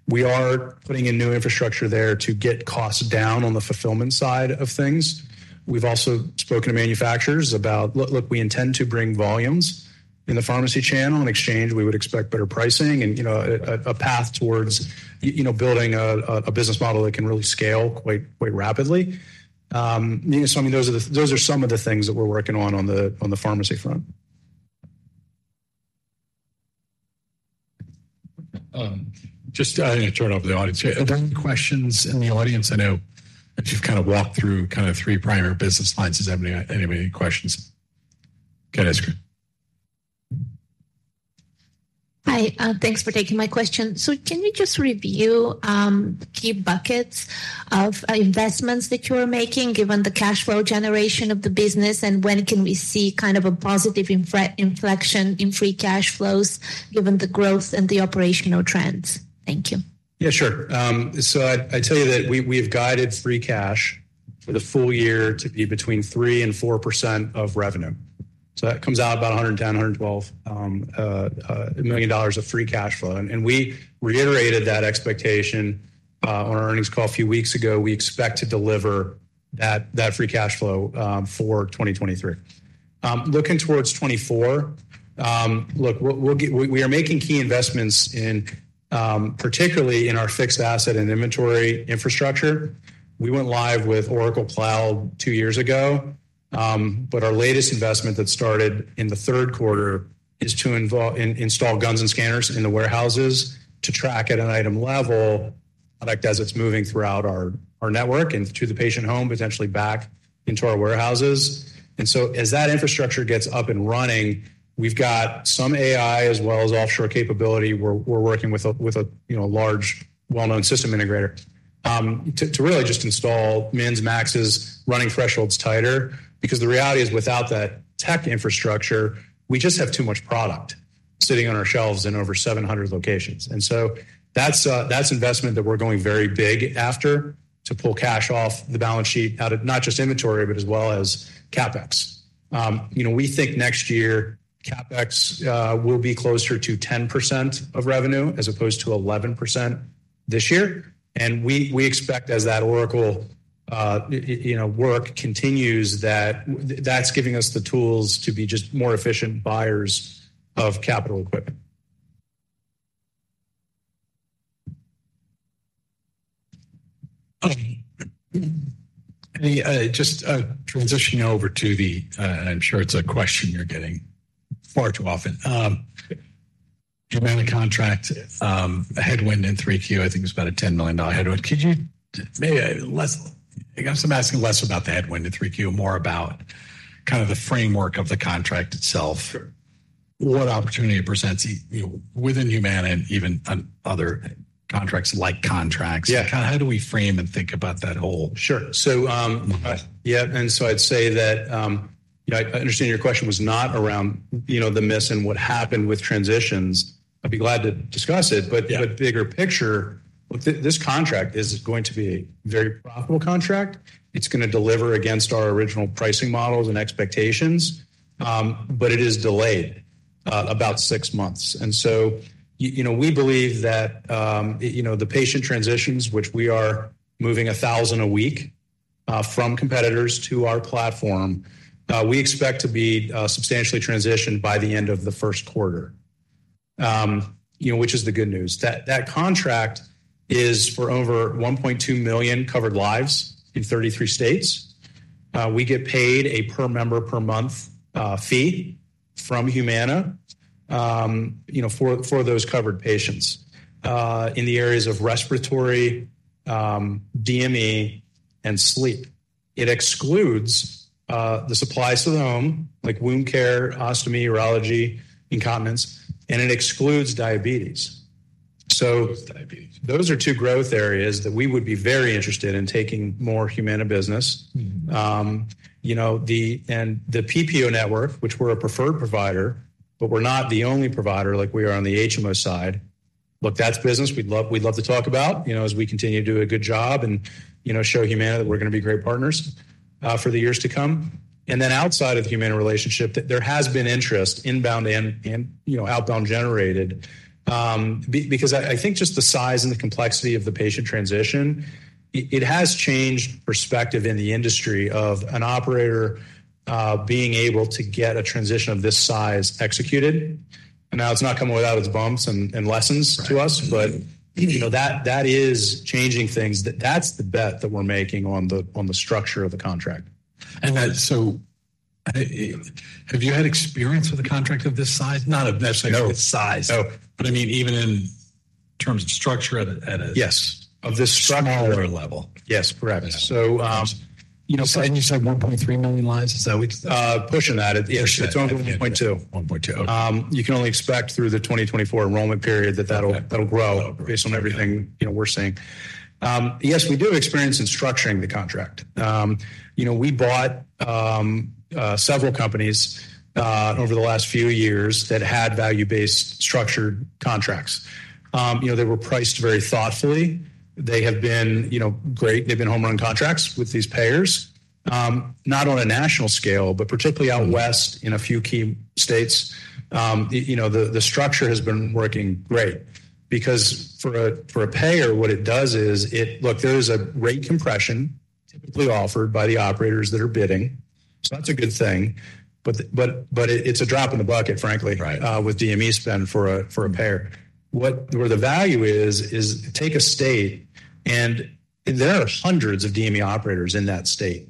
We are putting in new infrastructure there to get costs down on the fulfillment side of things. We've also spoken to manufacturers about, "Look, we intend to bring volumes in the pharmacy channel. In exchange, we would expect better pricing and, you know, a path towards, you know, building a business model that can really scale quite rapidly." You know, so, I mean, those are some of the things that we're working on the pharmacy front. Just, turn it over to the audience. Okay. Are there any questions in the audience? I know that you've kind of walked through kind of three primary business lines. Does anybody, anybody have any questions? Go ahead, ask her. Hi, thanks for taking my question. So can you just review, key buckets of investments that you are making, given the cash flow generation of the business, and when can we see kind of a positive inflection in free cash flows given the growth and the operational trends? Thank you. Yeah, sure. So I tell you that we've guided free cash for the full year to be between 3%-4% of revenue. So that comes out about $110 million-$112 million of free cash flow. And we reiterated that expectation on our earnings call a few weeks ago. We expect to deliver that free cash flow for 2023. Looking towards 2024, we are making key investments in, particularly in our fixed asset and inventory infrastructure. We went live with Oracle Cloud two years ago, but our latest investment that started in the third quarter is to invol... Install guns and scanners in the warehouses to track at an item level product as it's moving throughout our network and to the patient home, potentially back into our warehouses. And so as that infrastructure gets up and running, we've got some AI as well as offshore capability. We're working with a you know, large, well-known system integrator to really just install mins, maxes, running thresholds tighter. Because the reality is, without that tech infrastructure, we just have too much product sitting on our shelves in over 700 locations. And so that's investment that we're going very big after to pull cash off the balance sheet, out of not just inventory, but as well as CapEx. You know, we think next year, CapEx will be closer to 10% of revenue as opposed to 11% this year. And we expect as that Oracle work continues, that that's giving us the tools to be just more efficient buyers of capital equipment. Just, transitioning over to the, I'm sure it's a question you're getting far too often. Humana contract, a headwind in 3Q, I think it's about a $10 million headwind. Could you... I guess I'm asking less about the headwind in 3Q, more about kind of the framework of the contract itself. Sure. What opportunity it presents, you know, within Humana and even on other contracts, like contracts. Yeah. How do we frame and think about that whole? Sure. So, yeah, and so I'd say that, you know, I understand your question was not around, you know, the miss and what happened with transitions. I'd be glad to discuss it- Yeah... but the bigger picture, look, this contract is going to be a very profitable contract. It's gonna deliver against our original pricing models and expectations, but it is delayed about six months. So, you know, we believe that, you know, the patient transitions, which we are moving 1,000 a week, from competitors to our platform, we expect to be substantially transitioned by the end of the first quarter. You know, which is the good news. That contract is for over 1.2 million covered lives in 33 states. We get paid a per member per month fee from Humana, you know, for those covered patients, in the areas of respiratory, DME, and sleep.... It excludes the supplies to the home, like wound care, ostomy, urology, incontinence, and it excludes diabetes. So- Excludes diabetes. Those are two growth areas that we would be very interested in taking more Humana business. Mm-hmm. You know, the PPO network, which we're a preferred provider, but we're not the only provider like we are on the HMO side. Look, that's business we'd love, we'd love to talk about, you know, as we continue to do a good job and, you know, show Humana that we're gonna be great partners for the years to come. And then outside of the Humana relationship, that there has been interest inbound and, you know, outbound generated because I think just the size and the complexity of the patient transition, it has changed perspective in the industry of an operator being able to get a transition of this size executed. I know it's not coming without its bumps and lessons to us- Right. But, you know, that, that is changing things. That's the bet that we're making on the, on the structure of the contract. And- So, have you had experience with a contract of this size? Not necessarily- No. -with size. No. But I mean, even in terms of structure Yes. Of this structure- Smaller level. Yes, correct. Yeah. You know- You said 1.3 million lives, is that what? Pushing that, at the- Pushing. It's only 1.2. 1.2, okay. You can only expect through the 2024 enrollment period that that'll- Okay... that'll grow- Grow. Based on everything, you know, we're seeing. Yes, we do have experience in structuring the contract. You know, we bought several companies over the last few years that had value-based structured contracts. You know, they were priced very thoughtfully. They have been, you know, great. They've been home-run contracts with these payers. Not on a national scale, but particularly- Mm-hmm... out west in a few key states. You know, the structure has been working great because for a payer, what it does is, it—look, there is a rate compression typically offered by the operators that are bidding, so that's a good thing. But, it's a drop in the bucket, frankly- Right... with DME spend for a payer. What, where the value is, is take a state, and there are hundreds of DME operators in that state.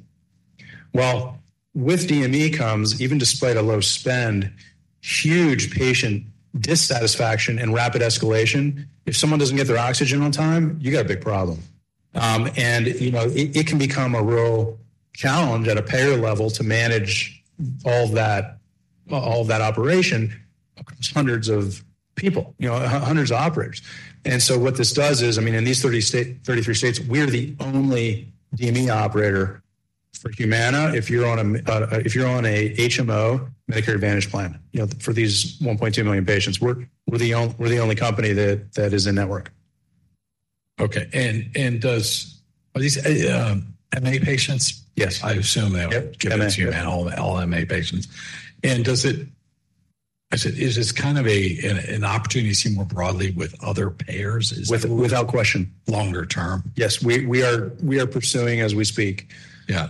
Well, with DME comes, even despite a low spend, huge patient dissatisfaction and rapid escalation. If someone doesn't get their oxygen on time, you got a big problem. And, you know, it can become a real challenge at a payer level to manage all that, all that operation across hundreds of people, you know, hundreds of operators. And so what this does is, I mean, in these 30-state, 33 states, we're the only DME operator for Humana. If you're on a, if you're on a HMO Medicare Advantage plan, you know, for these 1.2 million patients, we're the only company that is in network. Okay. And are these MA patients? Yes. I assume they are- Yep, MA... giving it to you and all the, all MA patients. And does it, I said, is this kind of a, an opportunity to see more broadly with other payers? Is it- With, without question. Longer term? Yes, we are pursuing as we speak. Yeah.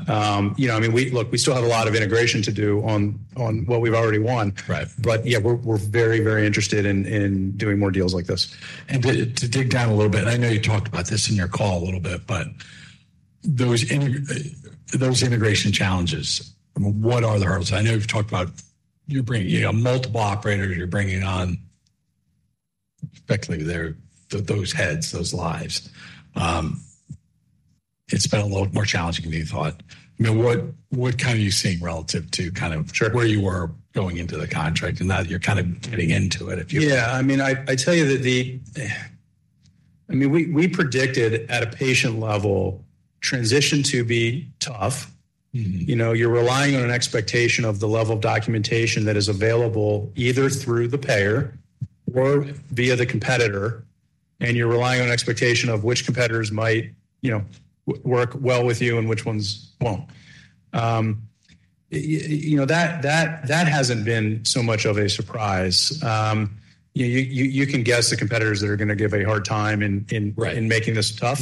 You know, I mean, look, we still have a lot of integration to do on what we've already won. Right. But yeah, we're very, very interested in doing more deals like this. And to dig down a little bit, I know you talked about this in your call a little bit, but those integration challenges, what are the hurdles? I know you've talked about you're bringing, you know, multiple operators, you're bringing on, effectively, they're, those heads, those lives. It's been a little more challenging than you thought. I mean, what kind are you seeing relative to kind of- Sure... where you were going into the contract, and now you're kind of getting into it, if you would? Yeah. I mean, I tell you that the... I mean, we predicted at a patient level transition to be tough. Mm-hmm. You know, you're relying on an expectation of the level of documentation that is available, either through the payer or via the competitor, and you're relying on expectation of which competitors might, you know, work well with you and which ones won't. You know, that hasn't been so much of a surprise. You can guess the competitors that are gonna give a hard time in. Right... in making this tough.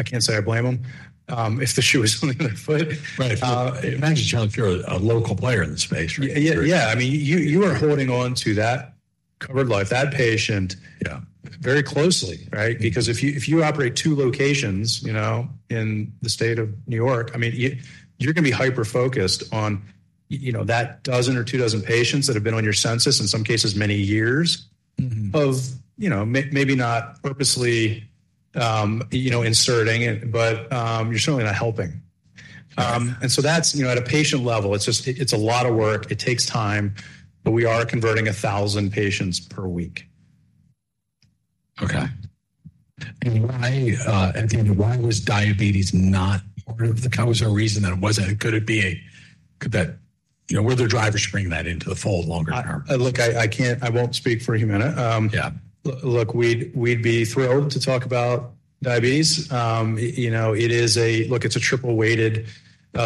Yeah. I can't say I blame them, if the shoe is on the other foot. Right. Imagine if you're a local player in the space, right? Yeah, yeah. I mean, you are holding on to that covered life, that patient- Yeah... very closely, right? Mm-hmm. Because if you operate two locations, you know, in the state of New York, I mean, you, you're gonna be hyper-focused on, you know, that dozen or two dozen patients that have been on your census in some cases many years. Mm-hmm. You know, maybe not purposely, you know, inserting it, but you're certainly not helping. Right. So that's, you know, at a patient level, it's just, it's a lot of work, it takes time, but we are converting 1,000 patients per week. Okay. And why at the end, why was diabetes not part of the... Was there a reason that it wasn't? Could it be a, could that... You know, were there drivers to bring that into the fold longer term? Look, I, I can't, I won't speak for Humana. Yeah. Look, we'd be thrilled to talk about diabetes. You know, it is a... Look, it's a triple-weighted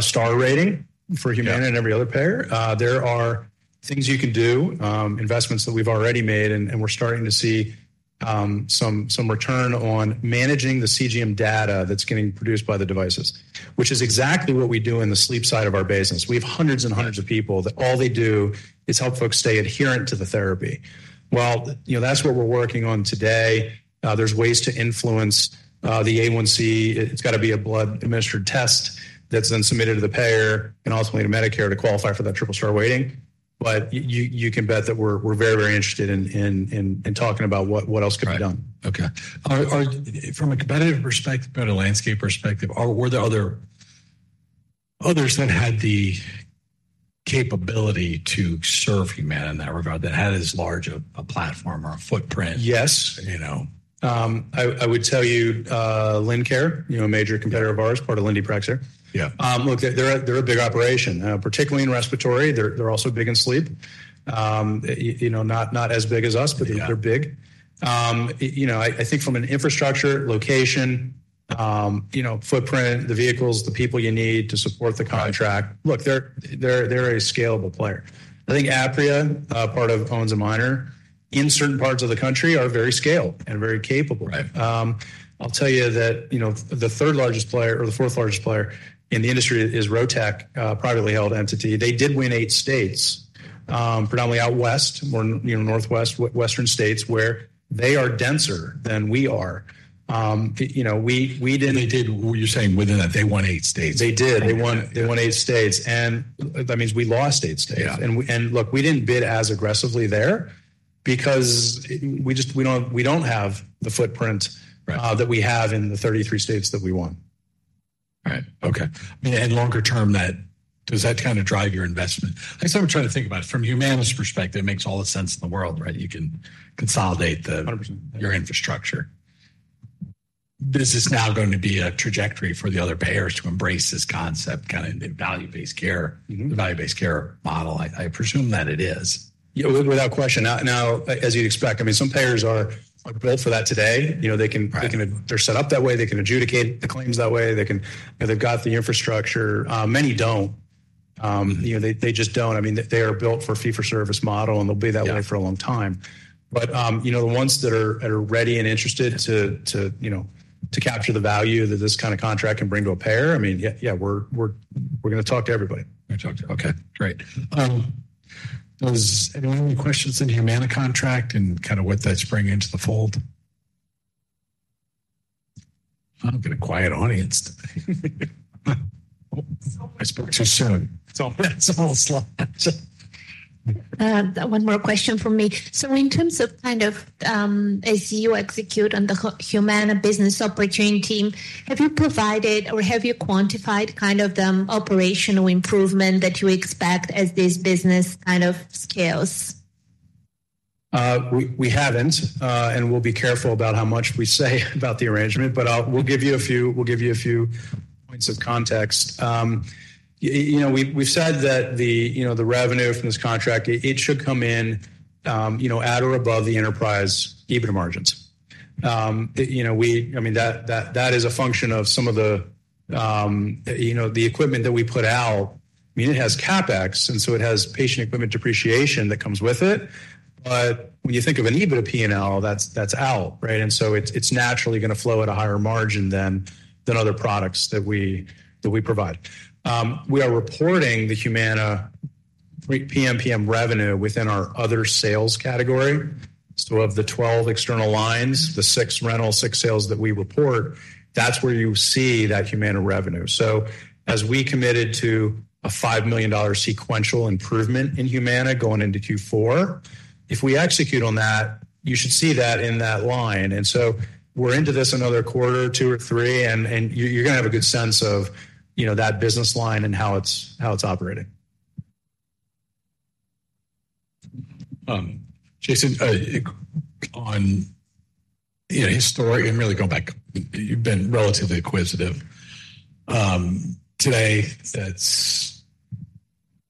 Star Rating for Humana- Yeah... and every other payer. There are things you can do, investments that we've already made, and and we're starting to see some return on managing the CGM data that's getting produced by the devices, which is exactly what we do in the sleep side of our business. We have hundreds and hundreds of people that all they do is help folks stay adherent to the therapy. Well, you know, that's what we're working on today. There's ways to influence the A1C. It's got to be a blood administered test that's then submitted to the payer and ultimately to Medicare to qualify for that triple star rating... but you can bet that we're very, very interested in talking about what else can be done. Right. Okay. From a competitive perspective, from a landscape perspective, were there others that had the capability to serve Humana in that regard, that had as large a platform or a footprint? Yes. You know. I would tell you, Lincare, you know, a major competitor of ours, part of Linde. Yeah. Look, they're a big operation, particularly in respiratory. They're also big in sleep. You know, not as big as us, but- Yeah... they're big. You know, I think from an infrastructure, location, you know, footprint, the vehicles, the people you need to support the contract- Right. Look, they're a scalable player. I think Apria, part of Owens & Minor in certain parts of the country, are very scaled and very capable. Right. I'll tell you that, you know, the third largest player or the fourth largest player in the industry is Rotech, privately held entity. They did win eight states, predominantly out west, more, you know, northwest, western states, where they are denser than we are. You know, we, we didn't- They did... You're saying within that, they won 8 states? They did. Okay. They won, they won eight states, and that means we lost eight states. Yeah. And look, we didn't bid as aggressively there because we just, we don't, we don't have the footprint- Right... that we have in the 33 states that we won. Right. Okay. I mean, and longer term, that, does that kind of drive your investment? I guess I'm trying to think about it from Humana's perspective, it makes all the sense in the world, right? You can consolidate the- Hundred percent... your infrastructure. This is now going to be a trajectory for the other payers to embrace this concept, kind of the value-based care- Mm-hmm... the value-based care model. I presume that it is. Yeah, without question. Now, as you'd expect, I mean, some payers are, like, built for that today. You know, they can- Right... they can, they're set up that way. They can adjudicate the claims that way. They can, they've got the infrastructure. Many don't. You know, they, they just don't. I mean, they are built for fee-for-service model, and they'll be that way- Yeah... for a long time. But, you know, the ones that are ready and interested to, you know, to capture the value that this kind of contract can bring to a payer, I mean, yeah, yeah, we're gonna talk to everybody. We're gonna talk to everybody. Okay, great. Does anyone have any questions in the Humana contract and kind of what that's bringing into the fold? I've got a quiet audience today. I spoke too soon. So it's a whole slot. One more question from me. So in terms of kind of, as you execute on the Humana business opportunity team, have you provided or have you quantified kind of the operational improvement that you expect as this business kind of scales? We haven't, and we'll be careful about how much we say about the arrangement, but we'll give you a few points of context. You know, we've said that, you know, the revenue from this contract, it should come in, you know, at or above the enterprise EBITDA margins. You know, I mean, that is a function of some of the, you know, the equipment that we put out. I mean, it has CapEx, and so it has patient equipment depreciation that comes with it. But when you think of an EBITDA P&L, that's out, right? And so it's naturally gonna flow at a higher margin than other products that we provide. We are reporting the Humana PMPM revenue within our other sales category. So of the 12 external lines, the six rental, six sales that we report, that's where you see that Humana revenue. So as we committed to a $5 million sequential improvement in Humana going into Q4, if we execute on that, you should see that in that line. And so we're into this another quarter, two or three, and, and you're gonna have a good sense of, you know, that business line and how it's, how it's operating. Jason, you know, historically and really go back, you've been relatively acquisitive. Today,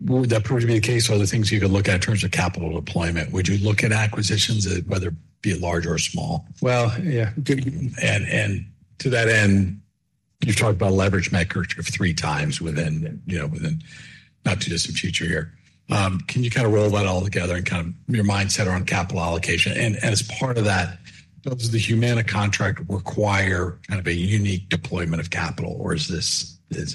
would that prove to be the case or the things you could look at in terms of capital deployment? Would you look at acquisitions, whether it be large or small? Well, yeah. And to that end, you've talked about leverage marker 3x within, you know, within not too distant future here. Can you kind of roll that all together and kind of your mindset around capital allocation? And as part of that, does the Humana contract require kind of a unique deployment of capital, or is this it?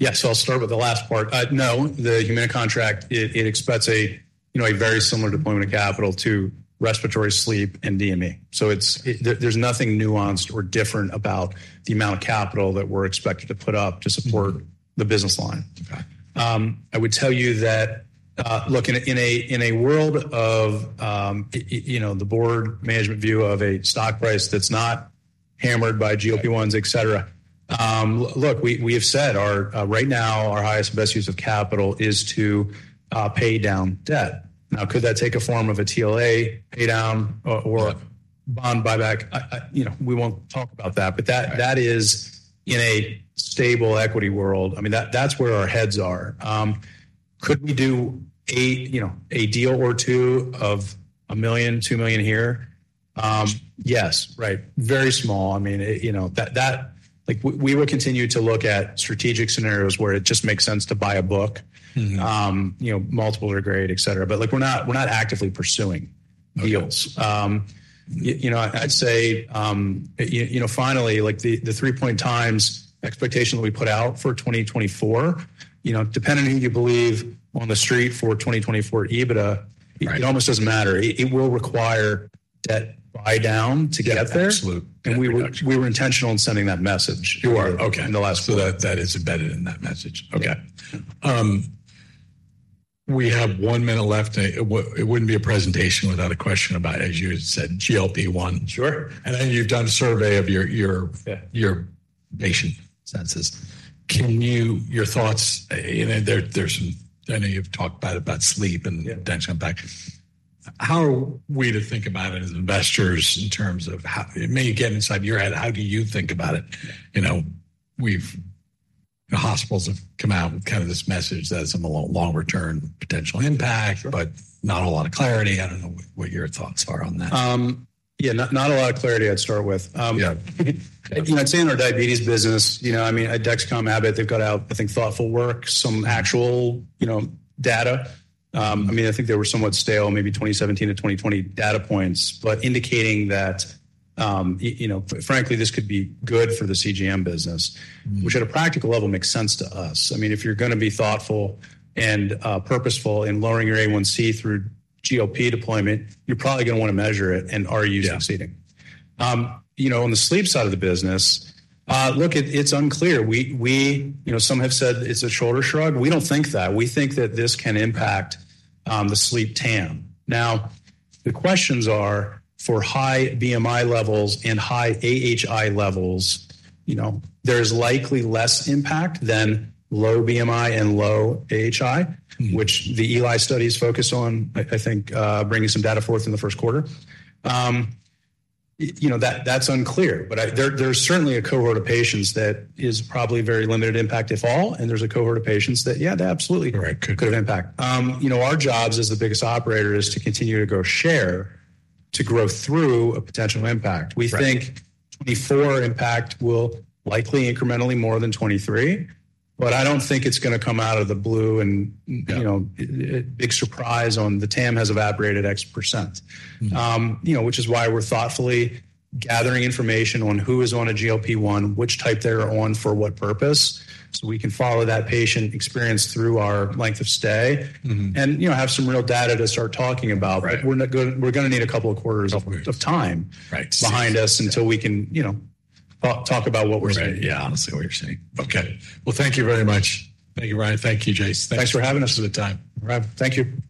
Yes, so I'll start with the last part. No, the Humana contract, it expects a, you know, a very similar deployment of capital to respiratory, sleep, and DME. So it's, there's nothing nuanced or different about the amount of capital that we're expected to put up to support- Mm-hmm... the business line. Okay. I would tell you that, look, in a world of, you know, the board management view of a stock price that's not hammered by GLP-1, et cetera, look, we have said our right now, our highest, best use of capital is to pay down debt. Now, could that take a form of a TLA pay down or- Yeah... bond buyback? I, you know, we won't talk about that. Right. But that is in a stable equity world. I mean, that's where our heads are. Could we do a, you know, a deal or two of $1 million, $2 million here? Yes. Right. Very small. I mean, you know, that, that—like, we, we will continue to look at strategic scenarios where it just makes sense to buy a book. Mm-hmm. You know, multiple or grade, et cetera. But, like, we're not actively pursuing deals. Okay. You know, I'd say, you know, finally, like, the 3x expectation that we put out for 2024, you know, depending on who you believe on the street for 2024 EBITDA. Right... it almost doesn't matter. It will require debt buy down to get there? Absolutely. We were intentional in sending that message. You are. Okay. In the last- So that is embedded in that message. Yeah. Okay. We have one minute left, and it wouldn't be a presentation without a question about, as you said, GLP-1. Sure. And then you've done a survey of your Yeah... your patient census. Can you, your thoughts, you know, there, there's some, I know you've talked about sleep- Yeah... and potential impact. How are we to think about it as investors in terms of how-maybe get inside your head, how do you think about it? You know, we've-the hospitals have come out with kind of this message that has some long-term potential impact- Sure... but not a lot of clarity. I don't know what your thoughts are on that. Yeah, not a lot of clarity, I'd start with. Yeah. You know, I'd say in our diabetes business, you know, I mean, at Dexcom, Abbott, they've got out, I think, thoughtful work, some actual, you know, data. I mean, I think they were somewhat stale, maybe 2017 to 2020 data points, but indicating that you know, frankly, this could be good for the CGM business- Mm... which at a practical level, makes sense to us. I mean, if you're gonna be thoughtful and purposeful in lowering your A1C through GLP deployment, you're probably gonna wanna measure it and use CGMing. Yeah. You know, on the sleep side of the business, look, it's unclear. We, we, you know, some have said it's a shoulder shrug. We don't think that. We think that this can impact the sleep TAM. Now, the questions are for high BMI levels and high AHI levels, you know, there's likely less impact than low BMI and low AHI. Mm... which the Eli study is focused on, I think, bringing some data forth in the first quarter. You know, that's unclear, but there's certainly a cohort of patients that is probably very limited impact, if any, and there's a cohort of patients that, yeah, they absolutely- Right... could have impact. You know, our jobs as the biggest operator is to continue to grow share, to grow through a potential impact. Right. We think before impact will likely incrementally more than 2023, but I don't think it's gonna come out of the blue and- Yeah... you know, big surprise on the TAM has evaporated X%. Mm. You know, which is why we're thoughtfully gathering information on who is on a GLP-1, which type they're on, for what purpose, so we can follow that patient experience through our length of stay- Mm-hmm... and, you know, have some real data to start talking about. Right. We're gonna need a couple of quarters of time- Right... behind us until we can, you know, talk, talk about what we're seeing. Right. Yeah, I see what you're saying. Okay. Well, thank you very much. Thank you, Brian. Thank you, Jace. Thanks for having us. Thanks for the time. Thank you.